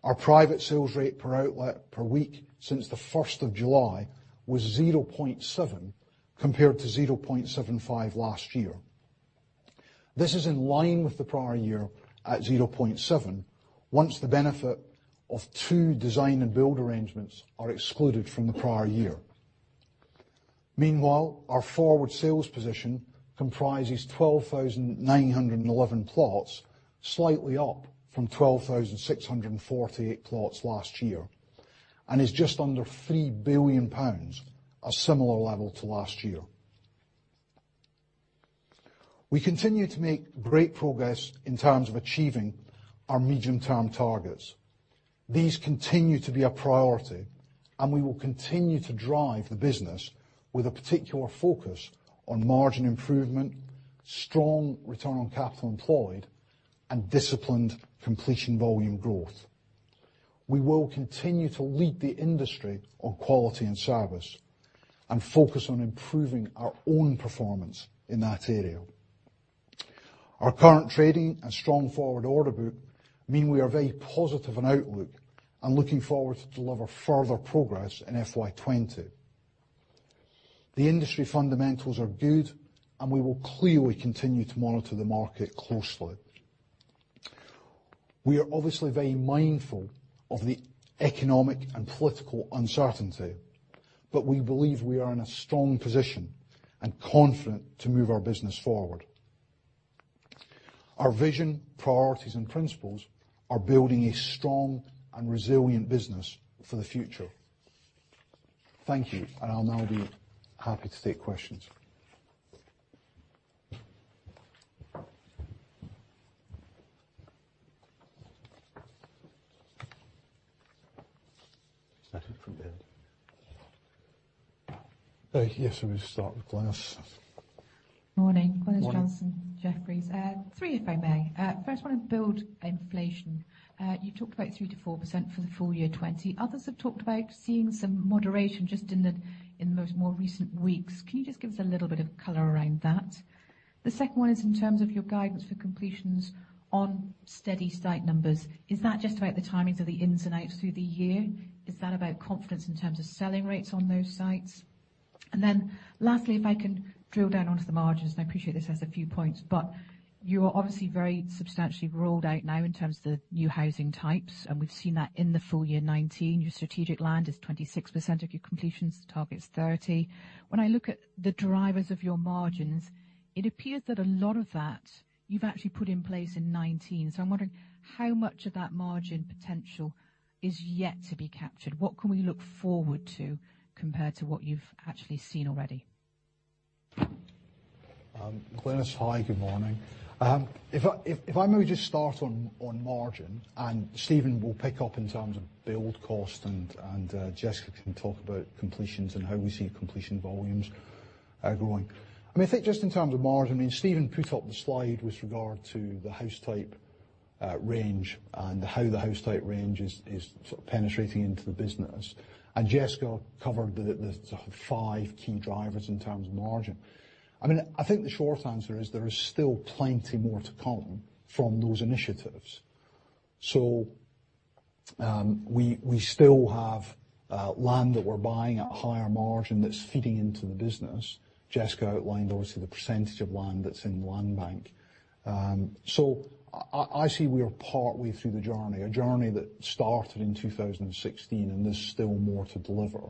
Our private sales rate per outlet per week since the 1st of July was 0.7, compared to 0.75 last year. This is in line with the prior year at 0.7, once the benefit of two design and build arrangements are excluded from the prior year. Meanwhile, our forward sales position comprises 12,911 plots, slightly up from 12,648 plots last year, and is just under 3 billion pounds, a similar level to last year. We continue to make great progress in terms of achieving our medium-term targets. These continue to be a priority, and we will continue to drive the business with a particular focus on margin improvement, strong return on capital employed, and disciplined completion volume growth. We will continue to lead the industry on quality and service and focus on improving our own performance in that area. Our current trading and strong forward order book mean we are very positive on outlook and looking forward to deliver further progress in FY 2020. The industry fundamentals are good. We will clearly continue to monitor the market closely. We are obviously very mindful of the economic and political uncertainty. We believe we are in a strong position and confident to move our business forward. Our vision, priorities, and principles are building a strong and resilient business for the future. Thank you. I'll now be happy to take questions. Start it from the end. Yes. We'll start with Glynis. Morning. Morning. Glynis Johnson, Jefferies. Three, if I may. First one on build inflation. You talked about 3%-4% for the full year FY 2020. Others have talked about seeing some moderation just in the more recent weeks. Can you just give us a little bit of color around that? The second one is in terms of your guidance for completions on steady site numbers. Is that just about the timings of the ins and outs through the year? Is that about confidence in terms of selling rates on those sites? Lastly, if I can drill down onto the margins, and I appreciate this has a few points, but you are obviously very substantially rolled out now in terms of the new housing types, and we've seen that in the full year FY 2019. Your strategic land is 26% of your completions; target is 30%. When I look at the drivers of your margins, it appears that a lot of that you've actually put in place in 2019, so I'm wondering how much of that margin potential is yet to be captured? What can we look forward to compared to what you've actually seen already? Glynis, hi. Good morning. If I may just start on margin, and Steven will pick up in terms of build cost, and Jessica can talk about completions and how we see completion volumes growing. Just in terms of margin, Steven put up the slide with regard to the house type range and how the house type range is sort of penetrating into the business, and Jessica covered the sort of five key drivers in terms of margin. The short answer is there is still plenty more to come from those initiatives. We still have land that we're buying at a higher margin that's feeding into the business. Jessica outlined, obviously, the percentage of land that's in land bank. I see we are partway through the journey, a journey that started in 2016, and there's still more to deliver.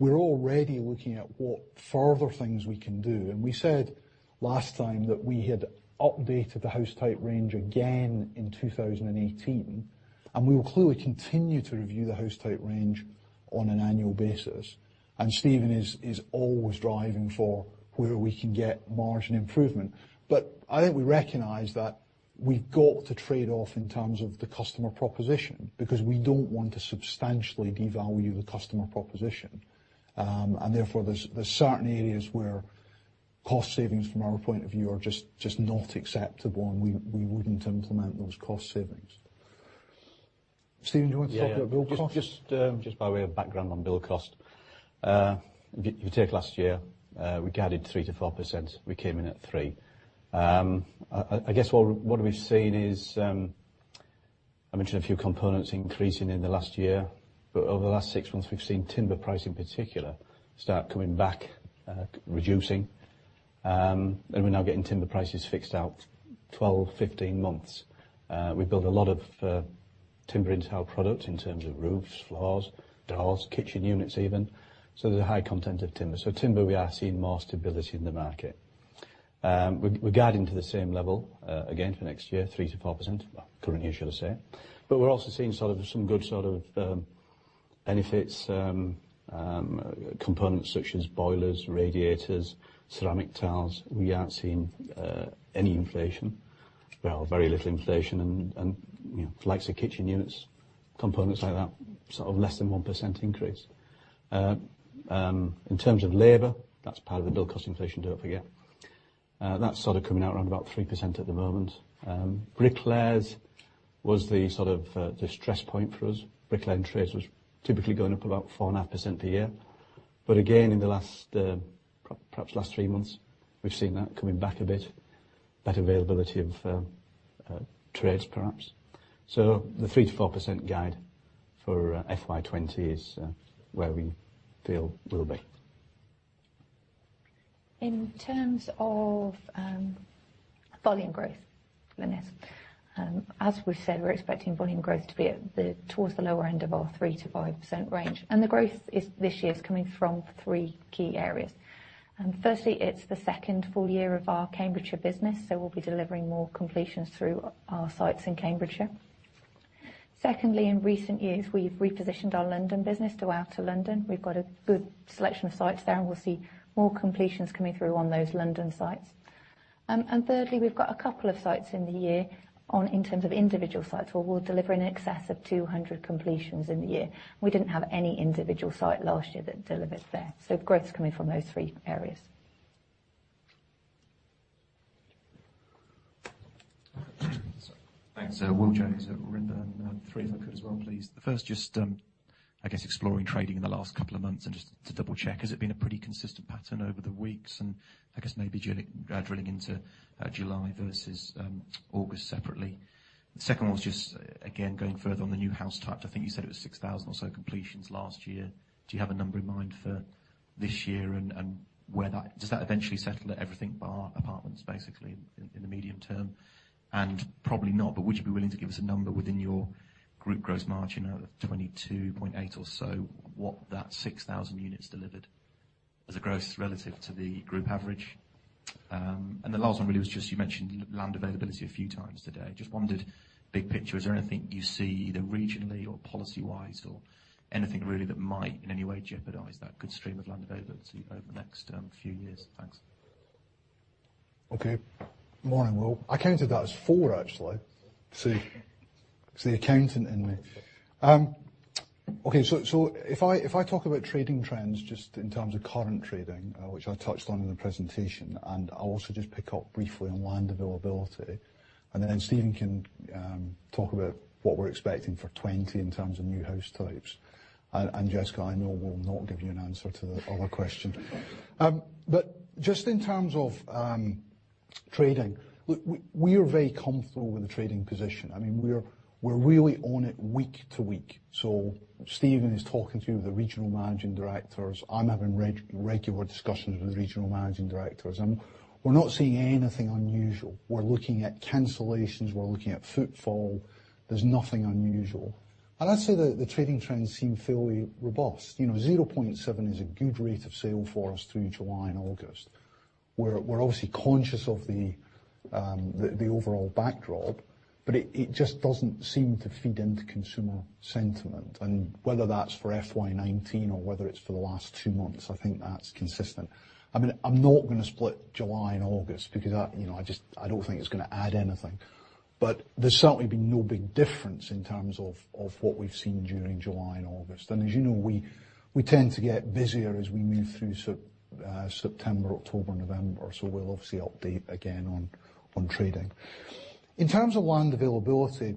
We're already looking at what further things we can do. We said last time that we had updated the house type range again in 2018. We will clearly continue to review the house type range on an annual basis. Steven is always driving for where we can get margin improvement. I think we recognize that we've got to trade off in terms of the customer proposition because we don't want to substantially devalue the customer proposition. Therefore, there's certain areas where cost savings from our point of view are just not acceptable, and we wouldn't implement those cost savings. Steven, do you want to talk about build cost? Yeah. Just by way of background on build cost. If you take last year, we guided 3%-4%, we came in at 3%. I guess what we've seen is, I mentioned a few components increasing in the last year, but over the last six months, we've seen timber price in particular start coming back, reducing. We're now getting timber prices fixed out 12, 15 months. We build a lot of timber into our product in terms of roofs, floors, doors, kitchen units even, so there's a high content of timber. Timber, we are seeing more stability in the market. We're guiding to the same level again for next year, 3%-4%, current year, should I say. We're also seeing some good benefits, components such as boilers, radiators, ceramic tiles. We aren't seeing any inflation. Well, very little inflation. Likes of kitchen units, components like that, less than 1% increase. In terms of labor, that's part of the build cost inflation, don't forget. That's coming out around about 3% at the moment. Bricklayers was the stress point for us. Bricklayer and trades was typically going up about 4.5% a year. Again, in the last, perhaps last three months, we've seen that coming back a bit. Better availability of trades, perhaps. The 3%-4% guide for FY 2020 is where we feel we'll be. In terms of volume growth, Glynis. As we've said, we're expecting volume growth to be at towards the lower end of our 3%-5% range. The growth this year is coming from three key areas. Firstly, it's the second full year of our Cambridgeshire business, so we'll be delivering more completions through our sites in Cambridgeshire. Secondly, in recent years, we've repositioned our London business to outer London. We've got a good selection of sites there, and we'll see more completions coming through on those London sites. Thirdly, we've got a couple of sites in the year, in terms of individual sites, where we'll deliver in excess of 200 completions in the year. We didn't have any individual site last year that delivered there. Growth's coming from those three areas. Thanks. Will Jones at Redburn Partners, three if I could as well, please. The first just, I guess exploring trading in the last couple of months and just to double check, has it been a pretty consistent pattern over the weeks? I guess maybe drilling into July versus August separately. The second one was just, again, going further on the new house types. I think you said it was 6,000 or so completions last year. Do you have a number in mind for this year, and does that eventually settle at everything bar apartments, basically, in the medium term? Probably not, but would you be willing to give us a number within your group gross margin out of 22.8 or so, what that 6,000 units delivered as a gross relative to the group average? The last one really was just, you mentioned land availability a few times today. Just wondered, big picture, is there anything you see either regionally or policy-wise or anything really that might in any way jeopardize that good stream of land availability over the next few years? Thanks. Morning, Will. I counted that as four, actually. See, it's the accountant in me. If I talk about trading trends just in terms of current trading, which I touched on in the presentation, I'll also just pick up briefly on land availability. Steven can talk about what we're expecting for 2020 in terms of new house types. Jessica, I know will not give you an answer to the other question. Just in terms of trading, look, we are very comfortable with the trading position. We're really on it week to week. Steven is talking to the regional managing directors. I'm having regular discussions with regional managing directors, and we're not seeing anything unusual. We're looking at cancellations, we're looking at footfall. There's nothing unusual. I'd say the trading trends seem fairly robust. 0.7 is a good rate of sale for us through July and August. We're obviously conscious of the overall backdrop, but it just doesn't seem to feed into consumer sentiment. Whether that's for FY 2019 or whether it's for the last two months, I think that's consistent. I'm not going to split July and August because I don't think it's going to add anything. There's certainly been no big difference in terms of what we've seen during July and August. As you know, we tend to get busier as we move through September, October, November. We'll obviously update again on trading. In terms of land availability,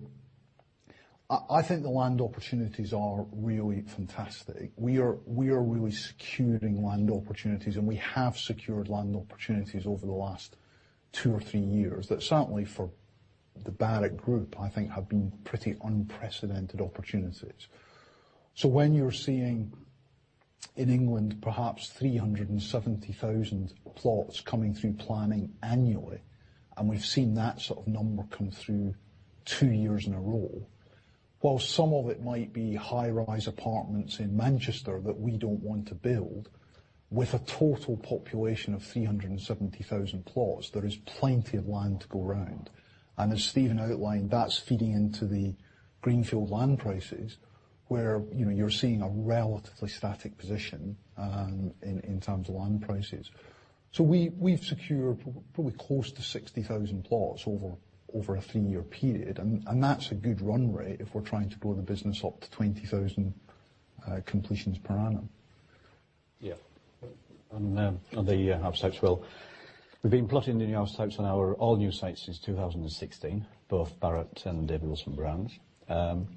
I think the land opportunities are really fantastic. We are really securing land opportunities, and we have secured land opportunities over the last two or three years that certainly for the Barratt Group, I think have been pretty unprecedented opportunities. When you're seeing in England perhaps 370,000 plots coming through planning annually, and we've seen that sort of number come through two years in a row. While some of it might be high-rise apartments in Manchester that we don't want to build, with a total population of 370,000 plots, there is plenty of land to go around. As Steven outlined, that's feeding into the greenfield land prices where you're seeing a relatively static position in terms of land prices. We've secured probably close to 60,000 plots over a three-year period, and that's a good run rate if we're trying to grow the business up to 20,000 completions per annum. Yeah. On the house types, Will. We've been plotting the new house types on our all new sites since 2016, both Barratt and David Wilson brands.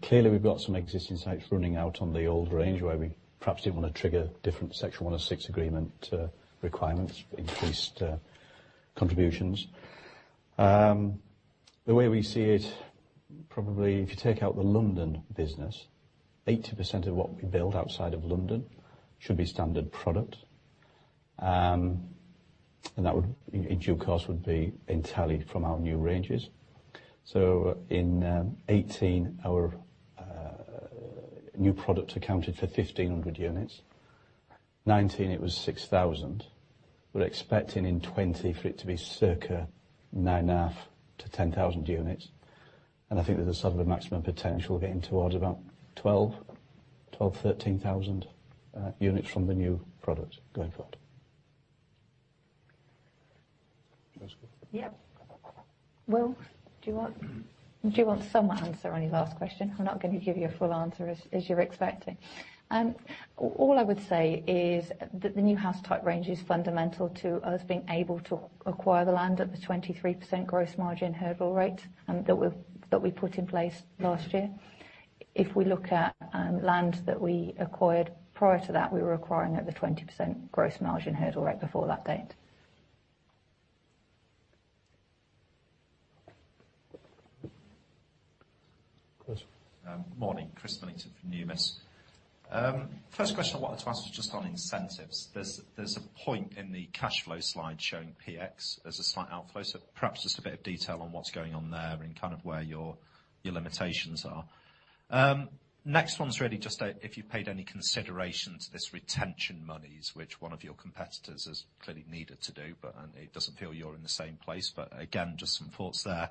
Clearly, we've got some existing sites running out on the old range where we perhaps didn't want to trigger different Section 106 agreement requirements for increased contributions. The way we see it, probably if you take out the London business, 80% of what we build outside of London should be standard product. That would, in due course, would be entirely from our new ranges. In 2018, our new product accounted for 1,500 units. 2019, it was 6,000. We're expecting in 2020 for it to be circa 9,500-10,000 units. I think there's a sort of a maximum potential getting towards about 12,000, 13,000 units from the new product going forward. Jessica? Yeah. Will, do you want some answer on your last question? I'm not going to give you a full answer as you're expecting. All I would say is that the new house type range is fundamental to us being able to acquire the land at the 23% gross margin hurdle rate that we put in place last year. If we look at land that we acquired prior to that, we were acquiring at the 20% gross margin hurdle rate before that date. Chris. Morning, Chris Millington from Numis Securities. First question I wanted to ask was just on incentives. There's a point in the cash flow slide showing PX as a slight outflow. Perhaps just a bit of detail on what's going on there and kind of where your limitations are. Next one's really just if you paid any consideration to this retention monies, which one of your competitors has clearly needed to do, but it doesn't feel you're in the same place. Again, just some thoughts there.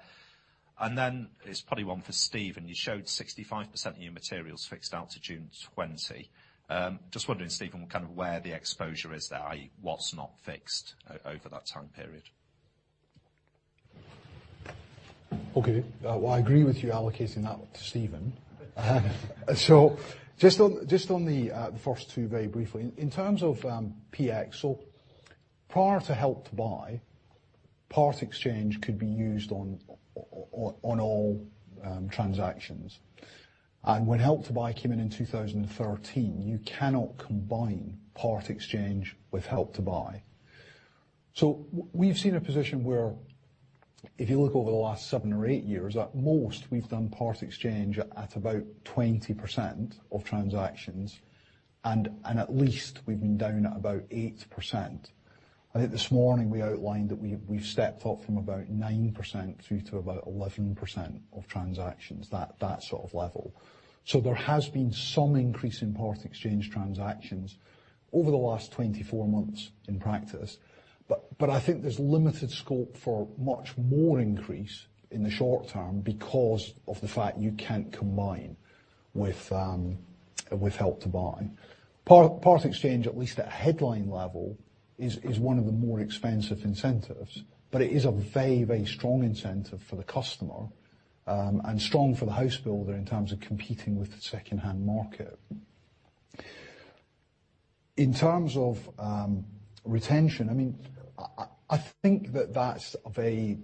It's probably one for Steve, and you showed 65% of your materials fixed out to June 2020. Just wondering, Steve, on kind of where the exposure is there, i.e., what's not fixed over that time period? I agree with you allocating that one to Steven. Just on the first two, very briefly. In terms of PX, prior to Help to Buy, part exchange could be used on all transactions. When Help to Buy came in in 2013, you cannot combine part exchange with Help to Buy. We've seen a position where, if you look over the last seven or eight years, at most, we've done part exchange at about 20% of transactions, and at least we've been down at about 8%. I think this morning we outlined that we've stepped up from about 9% through to about 11% of transactions, that sort of level. There has been some increase in part exchange transactions over the last 24 months in practice. I think there's limited scope for much more increase in the short term because of the fact you can't combine with Help to Buy. Part exchange, at least at headline level, is one of the more expensive incentives. It is a very, very strong incentive for the customer, and strong for the house builder in terms of competing with the secondhand market. In terms of retention, I think that that's a very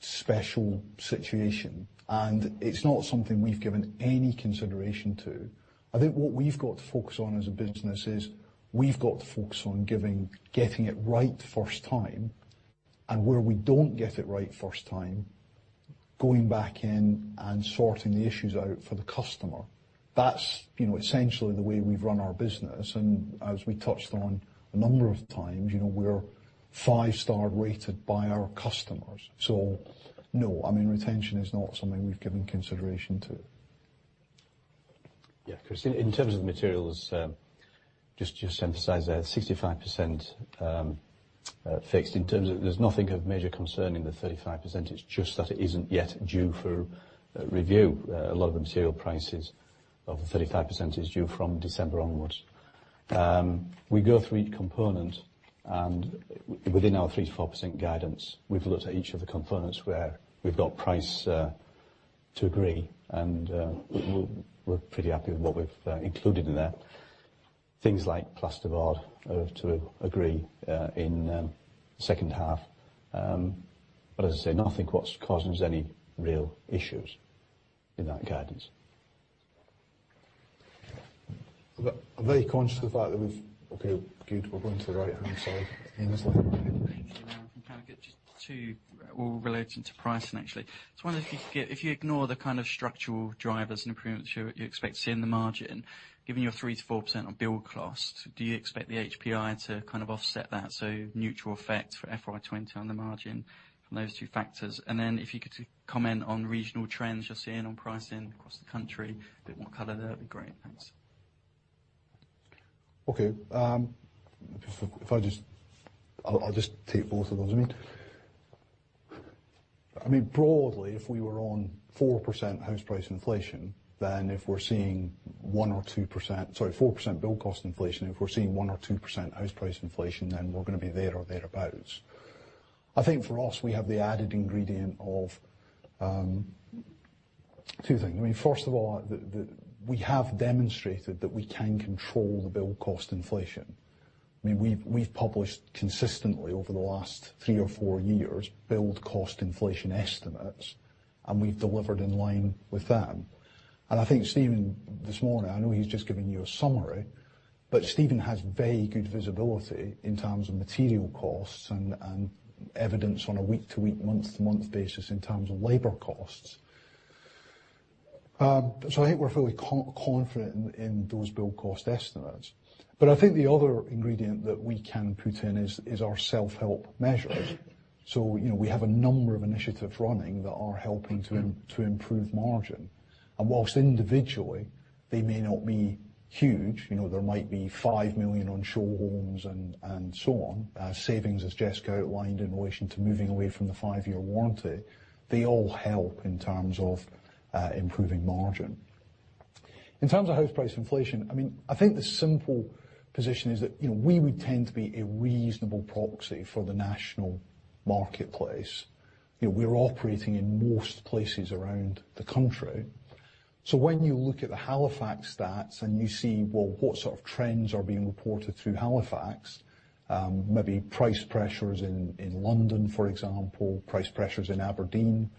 special situation, and it's not something we've given any consideration to. I think what we've got to focus on as a business is we've got to focus on getting it right first time, and where we don't get it right first time, going back in and sorting the issues out for the customer. That's essentially the way we've run our business. As we touched on a number of times, we're five-star rated by our customers. No, retention is not something we've given consideration to. Yeah, Chris, in terms of the materials, just to emphasize there, 65% fixed in terms of there's nothing of major concern in the 35%. It's just that it isn't yet due for review. A lot of the material prices of the 35% is due from December onwards. We go through each component, and within our 3%-4% guidance, we've looked at each of the components where we've got price to agree, and we're pretty happy with what we've included in there. Things like plasterboard are to agree in second half. As I say, nothing what's causing us any real issues in that guidance. I'm very conscious of the fact that. Okay, good. We're going to the right-hand side. [Amos]. *audio distortion* Just two all relating to pricing, actually. Just wondering if you ignore the kind of structural drivers and improvements you expect to see in the margin, given your 3%-4% on build cost, do you expect the HPI to kind of offset that? Neutral effect for FY 2020 on the margin from those two factors. If you could comment on regional trends you're seeing on pricing across the country, a bit more color there would be great. Thanks. Okay. I'll just take both of those. Broadly, if we're seeing 4% build cost inflation, if we're seeing 1% or 2% house price inflation, then we're going to be there or thereabouts. I think for us, we have the added ingredient of two things. First of all, we have demonstrated that we can control the build cost inflation. We've published consistently over the last three or four years, build cost inflation estimates, and we've delivered in line with them. I think Steven, this morning, I know he's just given you a summary, but Steven has very good visibility in terms of material costs and evidence on a week-to-week, month-to-month basis in terms of labor costs. I think we're fairly confident in those build cost estimates. I think the other ingredient that we can put in is our self-help measures. We have a number of initiatives running that are helping to improve margin. Whilst individually they may not be huge, there might be 5 million on shore homes and so on, savings, as Jessica outlined, in relation to moving away from the five-year warranty, they all help in terms of improving margin. In terms of house price inflation, I think the simple position is that, we would tend to be a reasonable proxy for the national marketplace. We're operating in most places around the country. When you look at the Halifax stats and you see what sort of trends are being reported through Halifax, maybe price pressures in London, for example, price pressures in Aberdeen,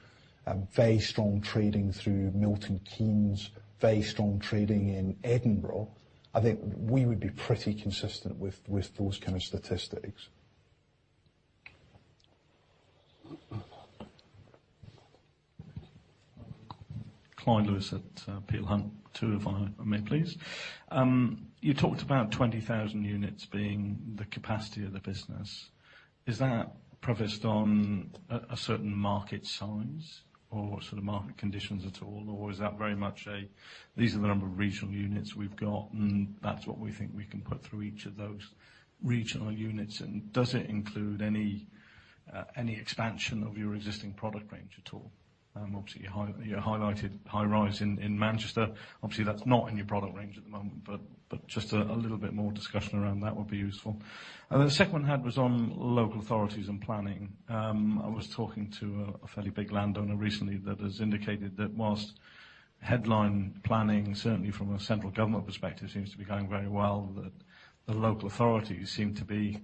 very strong trading through Milton Keynes, very strong trading in Edinburgh. I think we would be pretty consistent with those kind of statistics. Clyde Lewis at Peel Hunt. Two if I may, please. You talked about 20,000 units being the capacity of the business. Is that professed on a certain market size or sort of market conditions at all, or is that very much a, these are the number of regional units we've got, and that's what we think we can put through each of those regional units? Does it include any expansion of your existing product range at all? Obviously, you highlighted high-rise in Manchester, obviously that's not in your product range at the moment, but just a little bit more discussion around that would be useful. The second one had was on local authorities and planning. I was talking to a fairly big landowner recently that has indicated that whilst headline planning, certainly from a central government perspective, seems to be going very well, that the local authorities seem to be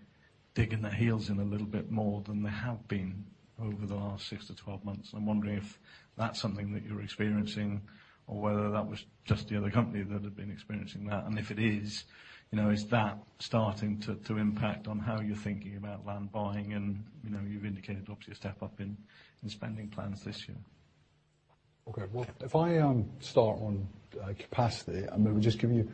digging their heels in a little bit more than they have been over the last 6-12 months. I'm wondering if that's something that you're experiencing or whether that was just the other company that had been experiencing that. If it is that starting to impact on how you're thinking about land buying and, you've indicated obviously a step up in spending plans this year. Okay. Well, if I start on capacity, I mean, we'll just give you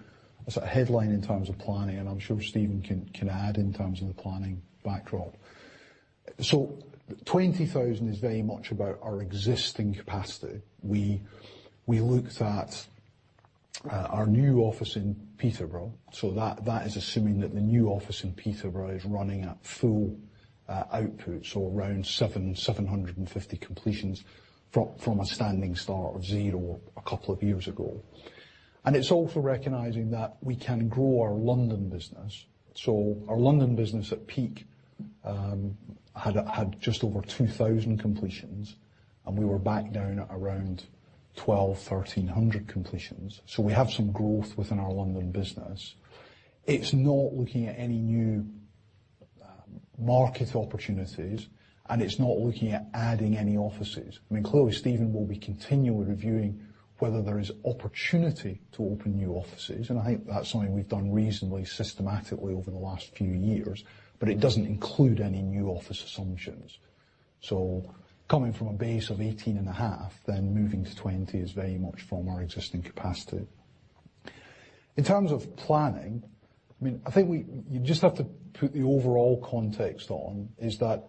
a sort of headline in terms of planning, and I'm sure Steven can add in terms of the planning backdrop. 20,000 is very much about our existing capacity. We looked at our new office in Peterborough, that is assuming that the new office in Peterborough is running at full output, around 750 completions from a standing start of zero a couple of years ago. It's also recognizing that we can grow our London business. Our London business at peak, had just over 2,000 completions, and we were back down at around 1,200, 1,300 completions. We have some growth within our London business. It's not looking at any new market opportunities, and it's not looking at adding any offices. Clearly, Steven will be continually reviewing whether there is opportunity to open new offices. I think that's something we've done reasonably systematically over the last few years, it doesn't include any new office assumptions. Coming from a base of 18.5, moving to 20 is very much from our existing capacity. In terms of planning, I think you just have to put the overall context on, is that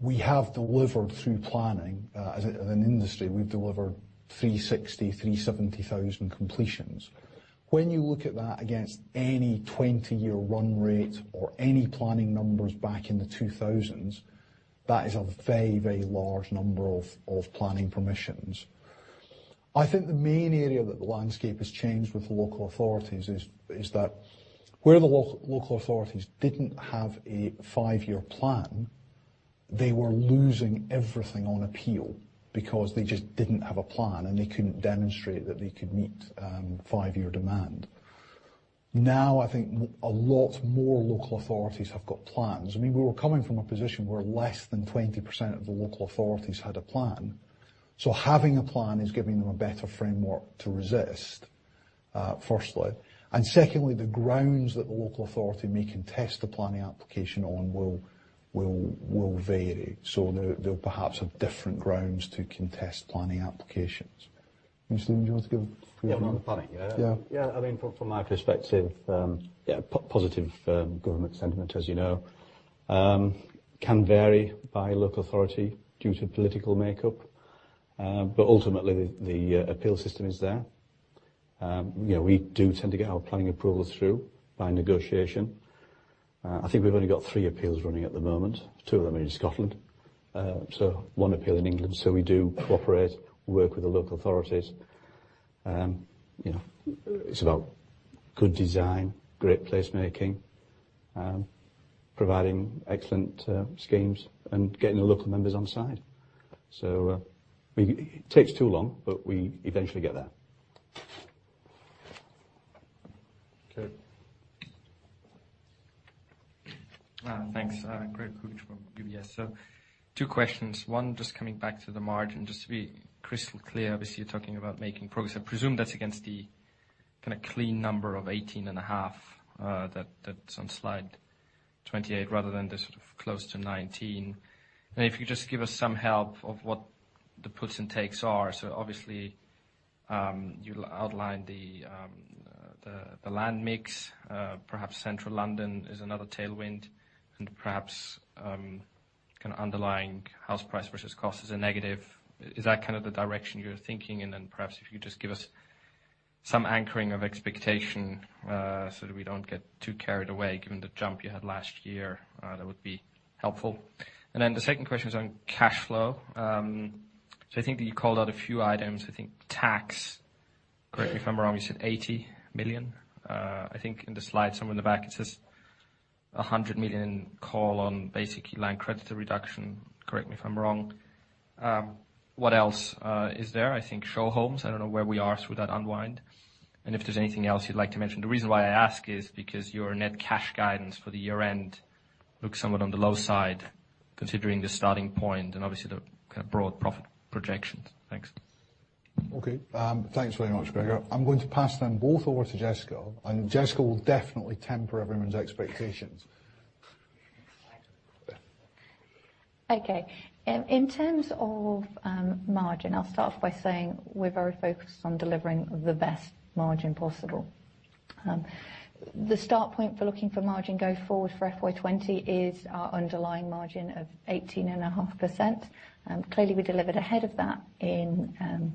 we have delivered through planning, as an industry, we've delivered 360,000, 370,000 completions. When you look at that against any 20-year run rate or any planning numbers back in the 2000s, that is a very, very large number of planning permissions. I think the main area that the landscape has changed with the local authorities is that where the local authorities didn't have a five-year plan, they were losing everything on appeal because they just didn't have a plan, and they couldn't demonstrate that they could meet five-year demand. I think a lot more local authorities have got plans. We were coming from a position where less than 20% of the local authorities had a plan. Having a plan is giving them a better framework to resist, firstly. Secondly, the grounds that the local authority may contest the planning application on will vary. They'll perhaps have different grounds to contest planning applications. Steven, do you want to give a few more? Yeah, on the planning, yeah. Yeah. Yeah, from my perspective, positive government sentiment, as you know, can vary by local authority due to political makeup. Ultimately, the appeal system is there. We do tend to get our planning approvals through by negotiation. I think we've only got three appeals running at the moment. Two of them are in Scotland, so one appeal in England. We do cooperate, work with the local authorities. It's about good design, great place making. Providing excellent schemes and getting the local members on side. It takes too long, but we eventually get there. Okay. Well, thanks. Gregor Kuglitsch from UBS. Two questions. One, just coming back to the margin, just to be crystal clear, obviously you're talking about making progress. I presume that's against the kind of clean number of 18.5%, that's on slide 28, rather than the sort of close to 19%. If you could just give us some help of what the puts and takes are. Obviously, you outlined the land mix. Perhaps Central London is another tailwind and perhaps, kind of underlying house price versus cost is a negative. Is that kind of the direction you're thinking? Then perhaps if you could just give us some anchoring of expectation, so that we don't get too carried away given the jump you had last year. That would be helpful. Then the second question is on cash flow. I think that you called out a few items. I think tax, correct me if I'm wrong, you said 80 million. I think in the slide somewhere in the back it says 100 million call on basic land creditor reduction. Correct me if I'm wrong. What else is there? I think show homes. I don't know where we are through that unwind. If there's anything else you'd like to mention. The reason why I ask is because your net cash guidance for the year end looks somewhat on the low side, considering the starting point and obviously the kind of broad profit projections. Thanks. Okay. Thanks very much, Gregor. I'm going to pass them both over to Jessica, and Jessica will definitely temper everyone's expectations. Yeah. Okay. In terms of margin, I'll start off by saying we're very focused on delivering the best margin possible. The start point for looking for margin go forward for FY 2020 is our underlying margin of 18.5%. Clearly we delivered ahead of that in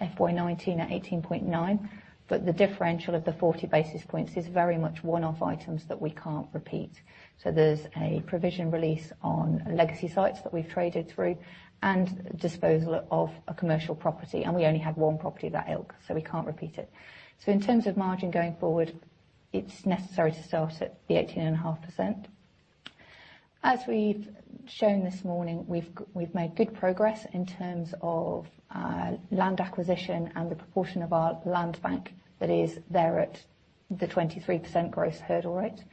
FY 2019 at 18.9%, but the differential of the 40 basis points is very much one-off items that we can't repeat. There's a provision release on legacy sites that we've traded through and disposal of a commercial property. We only had one property of that ilk, so we can't repeat it. In terms of margin going forward, it's necessary to start at the 18.5%. As we've shown this morning, we've made good progress in terms of land acquisition and the proportion of our land bank that is there at the 23% gross hurdle rate.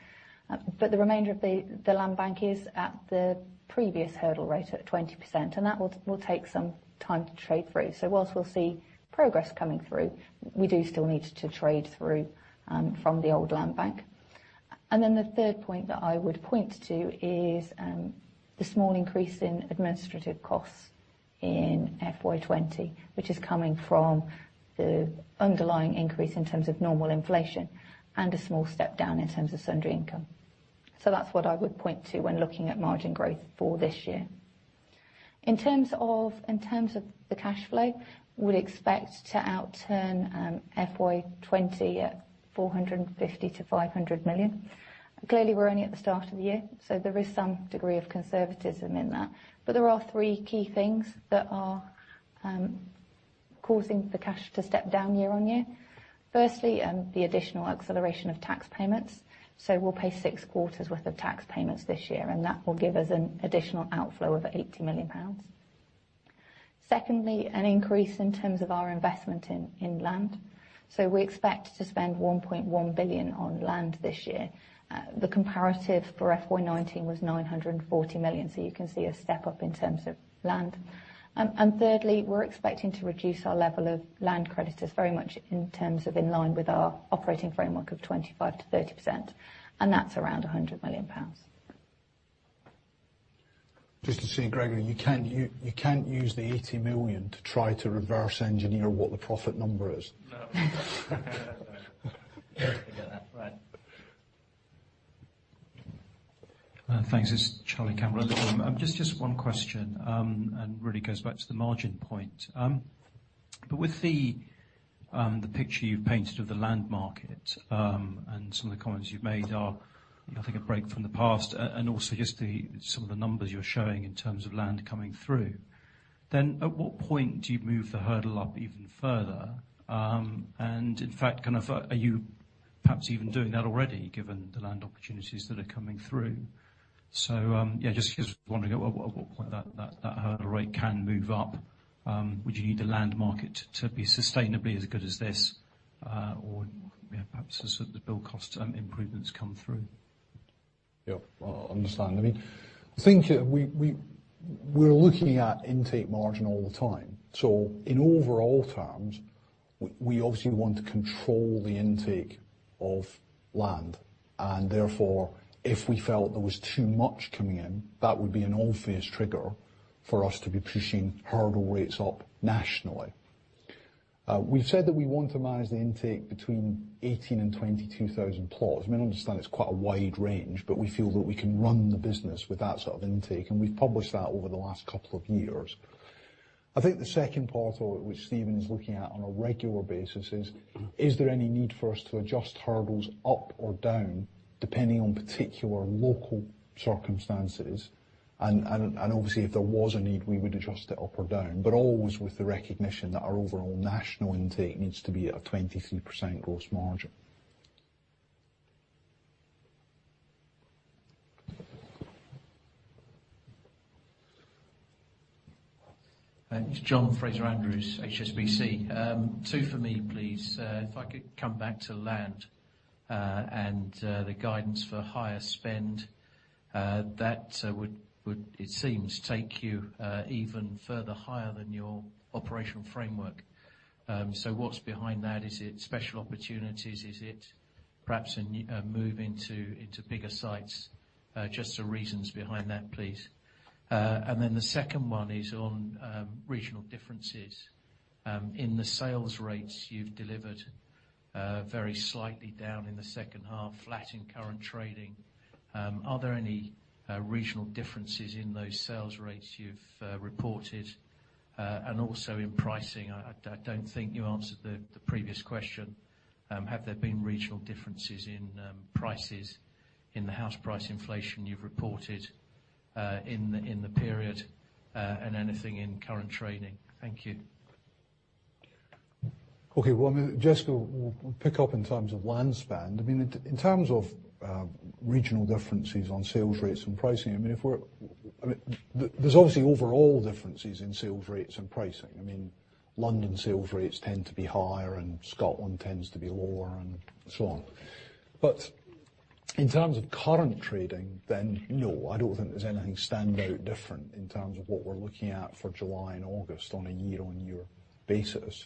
The remainder of the land bank is at the previous hurdle rate at 20%, and that will take some time to trade through. Whilst we'll see progress coming through, we do still need to trade through from the old land bank. The third point that I would point to is the small increase in administrative costs in FY 2020, which is coming from the underlying increase in terms of normal inflation and a small step down in terms of sundry income. That's what I would point to when looking at margin growth for this year. In terms of the cash flow, we'd expect to outturn FY 2020 at 450 million-500 million. Clearly we're only at the start of the year, so there is some degree of conservatism in that. There are three key things that are causing the cash to step down year-on-year. Firstly, the additional acceleration of tax payments. We'll pay six quarters worth of tax payments this year, and that will give us an additional outflow of 80 million pounds. Secondly, an increase in terms of our investment in land. We expect to spend 1.1 billion on land this year. The comparative for FY 2019 was 940 million. You can see a step up in terms of land. Thirdly, we're expecting to reduce our level of land creditors very much in terms of in line with our operating framework of 25%-30%, and that's around 100 million pounds. Just to say, Gregor, you can't use the 80 million to try to reverse engineer what the profit number is. No. I get that. Right. Thanks. It's Charlie Cameron at Goldman. Just one question. Really goes back to the margin point. With the picture you've painted of the land market, some of the comments you've made are I think a break from the past, just some of the numbers you're showing in terms of land coming through. At what point do you move the hurdle up even further? In fact, kind of are you perhaps even doing that already given the land opportunities that are coming through? Yeah, just wondering at what point that hurdle rate can move up. Would you need the land market to be sustainably as good as this? Perhaps as the build cost improvements come through? Yep, understand. I think we're looking at intake margin all the time. In overall terms, we obviously want to control the intake of land and therefore if we felt there was too much coming in, that would be an obvious trigger for us to be pushing hurdle rates up nationally. We've said that we want to manage the intake between 18,000 and 22,000 plots. I mean, understand it's quite a wide range, but we feel that we can run the business with that sort of intake, and we've published that over the last couple of years. I think the second part of it, which Steven is looking at on a regular basis, is there any need for us to adjust hurdles up or down depending on particular local circumstances? Obviously if there was a need, we would adjust it up or down. Always with the recognition that our overall national intake needs to be at a 23% gross margin. Thanks. John Fraser-Andrews, HSBC. Two for me, please. If I could come back to land and the guidance for higher spend. That would, it seems, take you even further higher than your operational framework. What's behind that? Is it special opportunities? Is it perhaps a move into bigger sites? Just the reasons behind that, please. The second one is on regional differences. In the sales rates, you've delivered very slightly down in the second half, flat in current trading. Are there any regional differences in those sales rates you've reported? Also in pricing. I don't think you answered the previous question. Have there been regional differences in prices, in the house price inflation you've reported in the period, and anything in current trading? Thank you. Okay. Well, Jessica will pick up in terms of land spend. In terms of regional differences on sales rates and pricing, there's obviously overall differences in sales rates and pricing. London sales rates tend to be higher, and Scotland tends to be lower, and so on. In terms of current trading, then no, I don't think there's anything standout different in terms of what we're looking at for July and August on a year-on-year basis.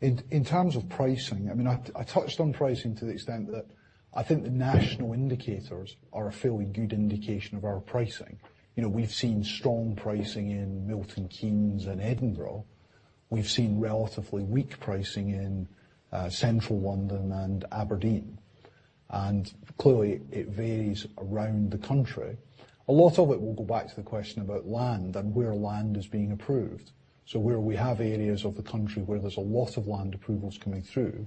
In terms of pricing, I touched on pricing to the extent that I think the national indicators are a fairly good indication of our pricing. We've seen strong pricing in Milton Keynes and Edinburgh. We've seen relatively weak pricing in Central London and Aberdeen. Clearly it varies around the country. A lot of it will go back to the question about land and where land is being approved. Where we have areas of the country where there's a lot of land approvals coming through,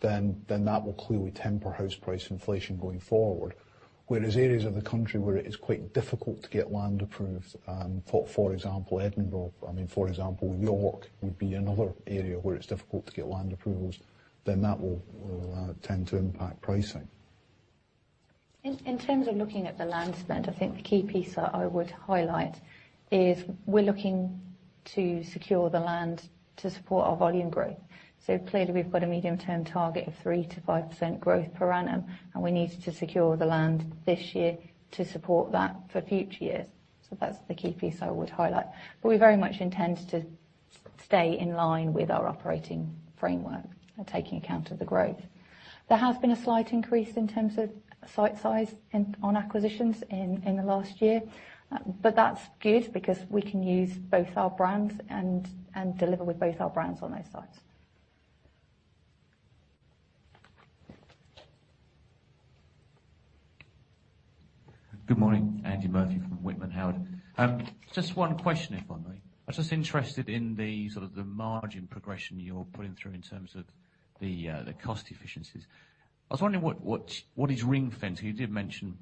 then that will clearly temper house price inflation going forward. Areas of the country where it is quite difficult to get land approved, for example, Edinburgh, for example, York would be another area where it's difficult to get land approvals, then that will tend to impact pricing. In terms of looking at the land spend, I think the key piece that I would highlight is we're looking to secure the land to support our volume growth. Clearly we've got a medium-term target of 3%-5% growth per annum, and we need to secure the land this year to support that for future years. That's the key piece I would highlight. We very much intend to stay in line with our operating framework and taking account of the growth. There has been a slight increase in terms of site size on acquisitions in the last year. That's good because we can use both our brands and deliver with both our brands on those sites. Good morning. Andy Murphy from Whitman Howard. Just one question, if I may. I'm just interested in the margin progression you're putting through in terms of the cost efficiencies. I was wondering what is ring-fenced. You did mention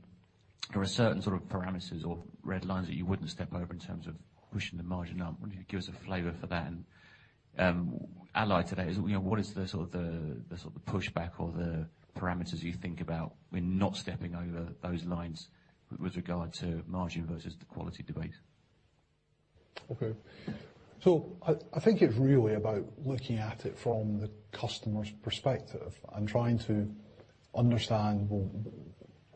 there are certain sort of parameters or red lines that you wouldn't step over in terms of pushing the margin up. Wonder if you could give us a flavor for that. Allied to that is, what is the sort of pushback or the parameters you think about when not stepping over those lines with regard to margin versus the quality debate? Okay. I think it's really about looking at it from the customer's perspective and trying to understand, well,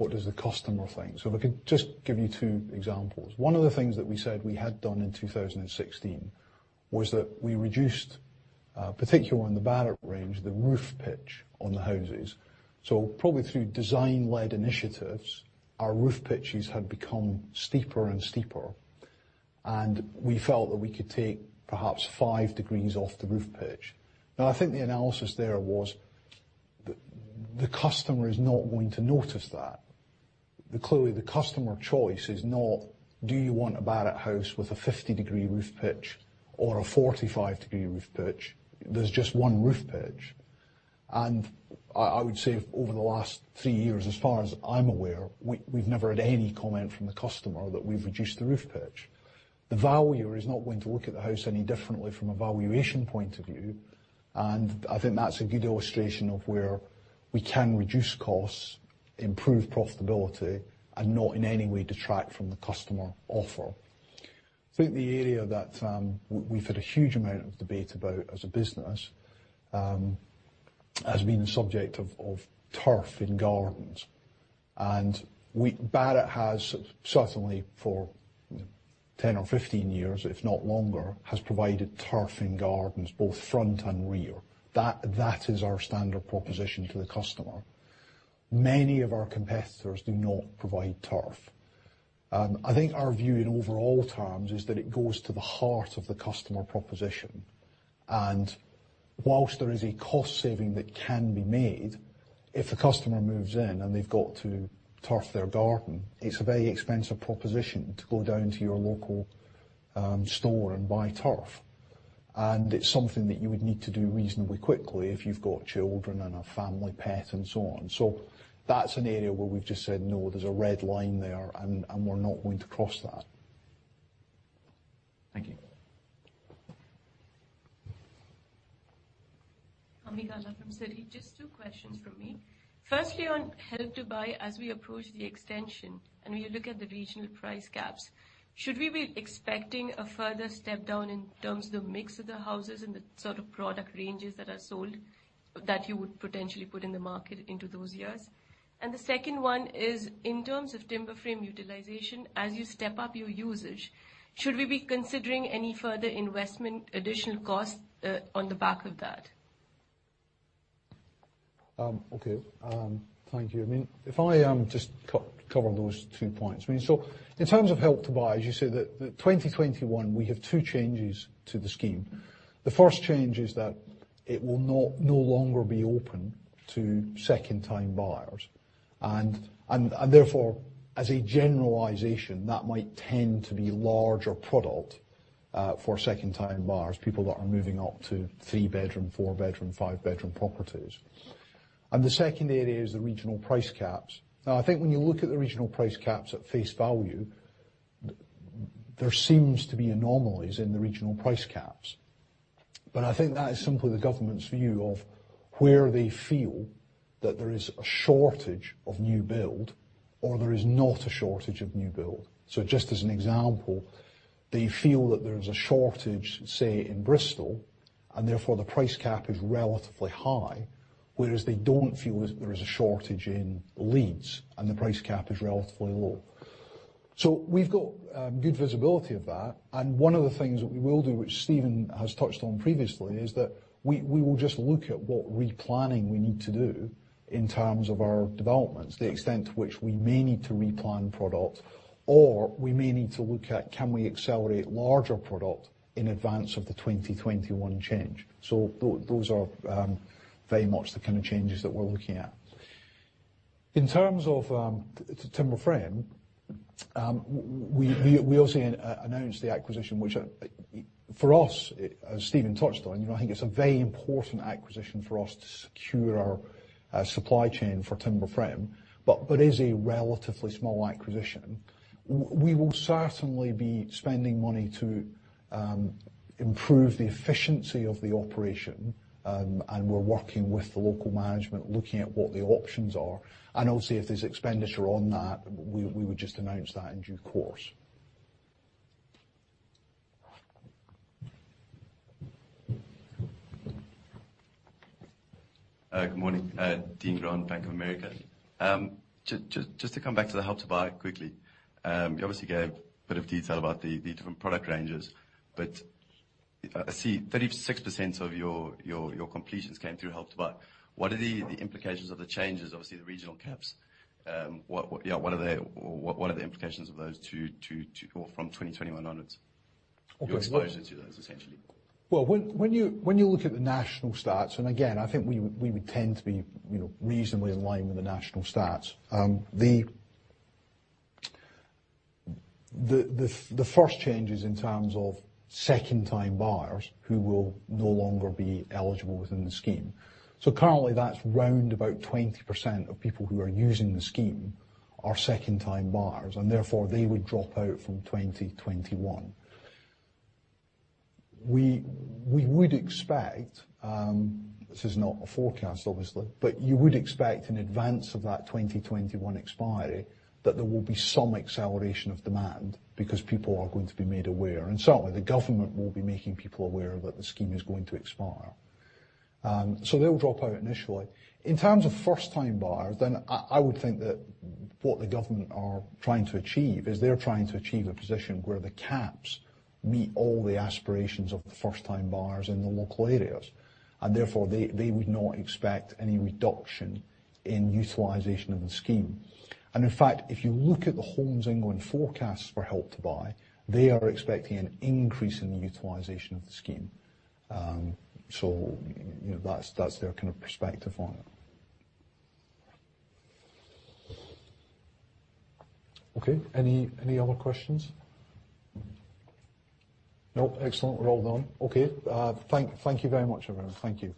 what does the customer think? If I could just give you two examples. One of the things that we said we had done in 2016 was that we reduced, particularly on the Barratt range, the roof pitch on the houses. Probably through design-led initiatives, our roof pitches had become steeper and steeper. We felt that we could take perhaps five degrees off the roof pitch. Now, I think the analysis there was the customer is not going to notice that. Clearly, the customer choice is not, do you want a Barratt house with a 50-degree roof pitch or a 45-degree roof pitch? There's just one roof pitch. I would say over the last three years, as far as I'm aware, we've never had any comment from the customer that we've reduced the roof pitch. The valuer is not going to look at the house any differently from a valuation point of view. I think that's a good illustration of where we can reduce costs, improve profitability, and not in any way detract from the customer offer. I think the area that we've had a huge amount of debate about as a business, has been the subject of turf in gardens. Barratt has certainly for 10 or 15 years, if not longer, has provided turf in gardens, both front and rear. That is our standard proposition to the customer. Many of our competitors do not provide turf. I think our view in overall terms is that it goes to the heart of the customer proposition. Whilst there is a cost saving that can be made, if a customer moves in and they've got to turf their garden, it's a very expensive proposition to go down to your local store and buy turf. It's something that you would need to do reasonably quickly if you've got children and a family pet and so on. That's an area where we've just said, "No, there's a red line there, and we're not going to cross that. Thank you. Just two questions from me. Firstly, on Help to Buy, as we approach the extension, and we look at the regional price caps, should we be expecting a further step down in terms of the mix of the houses and the sort of product ranges that are sold that you would potentially put in the market into those years? The second one is, in terms of timber frame utilization, as you step up your usage, should we be considering any further investment additional costs on the back of that? Okay. Thank you. If I just cover those two points. In terms of Help to Buy, as you say, 2021, we have two changes to the scheme. The first change is that it will no longer be open to second-time buyers. Therefore, as a generalization, that might tend to be larger product for second-time buyers, people that are moving up to three-bedroom, four-bedroom, five-bedroom properties. The second area is the regional price caps. I think when you look at the regional price caps at face value, there seems to be anomalies in the regional price caps. I think that is simply the government's view of where they feel that there is a shortage of new build or there is not a shortage of new build. Just as an example, they feel that there is a shortage, say, in Bristol, and therefore the price cap is relatively high, whereas they don't feel there is a shortage in Leeds, and the price cap is relatively low. We've got good visibility of that. One of the things that we will do, which Steven has touched on previously, is that we will just look at what replanning we need to do in terms of our developments, the extent to which we may need to replan product, or we may need to look at can we accelerate larger product in advance of the 2021 change. Those are very much the kind of changes that we're looking at. In terms of timber frame, we also announced the acquisition, which for us, as Steven touched on, I think it's a very important acquisition for us to secure our supply chain for timber frame. It is a relatively small acquisition. We will certainly be spending money to improve the efficiency of the operation, and we're working with the local management, looking at what the options are. Obviously, if there's expenditure on that, we would just announce that in due course. Good morning. Dean Grant, Bank of America. Just to come back to the Help to Buy quickly. You obviously gave a bit of detail about the different product ranges. I see 36% of your completions came through Help to Buy. What are the implications of the changes, obviously the regional caps? What are the implications of those from 2021 onwards? Your exposure to those, essentially. Well, when you look at the national stats, and again, I think we would tend to be reasonably in line with the national stats. The first change is in terms of second-time buyers who will no longer be eligible within the scheme. Currently, that's around about 20% of people who are using the scheme are second-time buyers, and therefore they would drop out from 2021. We would expect, this is not a forecast obviously, but you would expect in advance of that 2021 expiry that there will be some acceleration of demand because people are going to be made aware. Certainly, the government will be making people aware that the scheme is going to expire. They will drop out initially. In terms of first-time buyers, then I would think that what the government are trying to achieve is they're trying to achieve a position where the caps meet all the aspirations of the first-time buyers in the local areas. Therefore, they would not expect any reduction in utilization of the scheme. In fact, if you look at the Homes England forecasts for Help to Buy, they are expecting an increase in the utilization of the scheme. That's their kind of perspective on it. Okay, any other questions? No. Excellent. We're all done. Okay. Thank you very much, everyone. Thank you.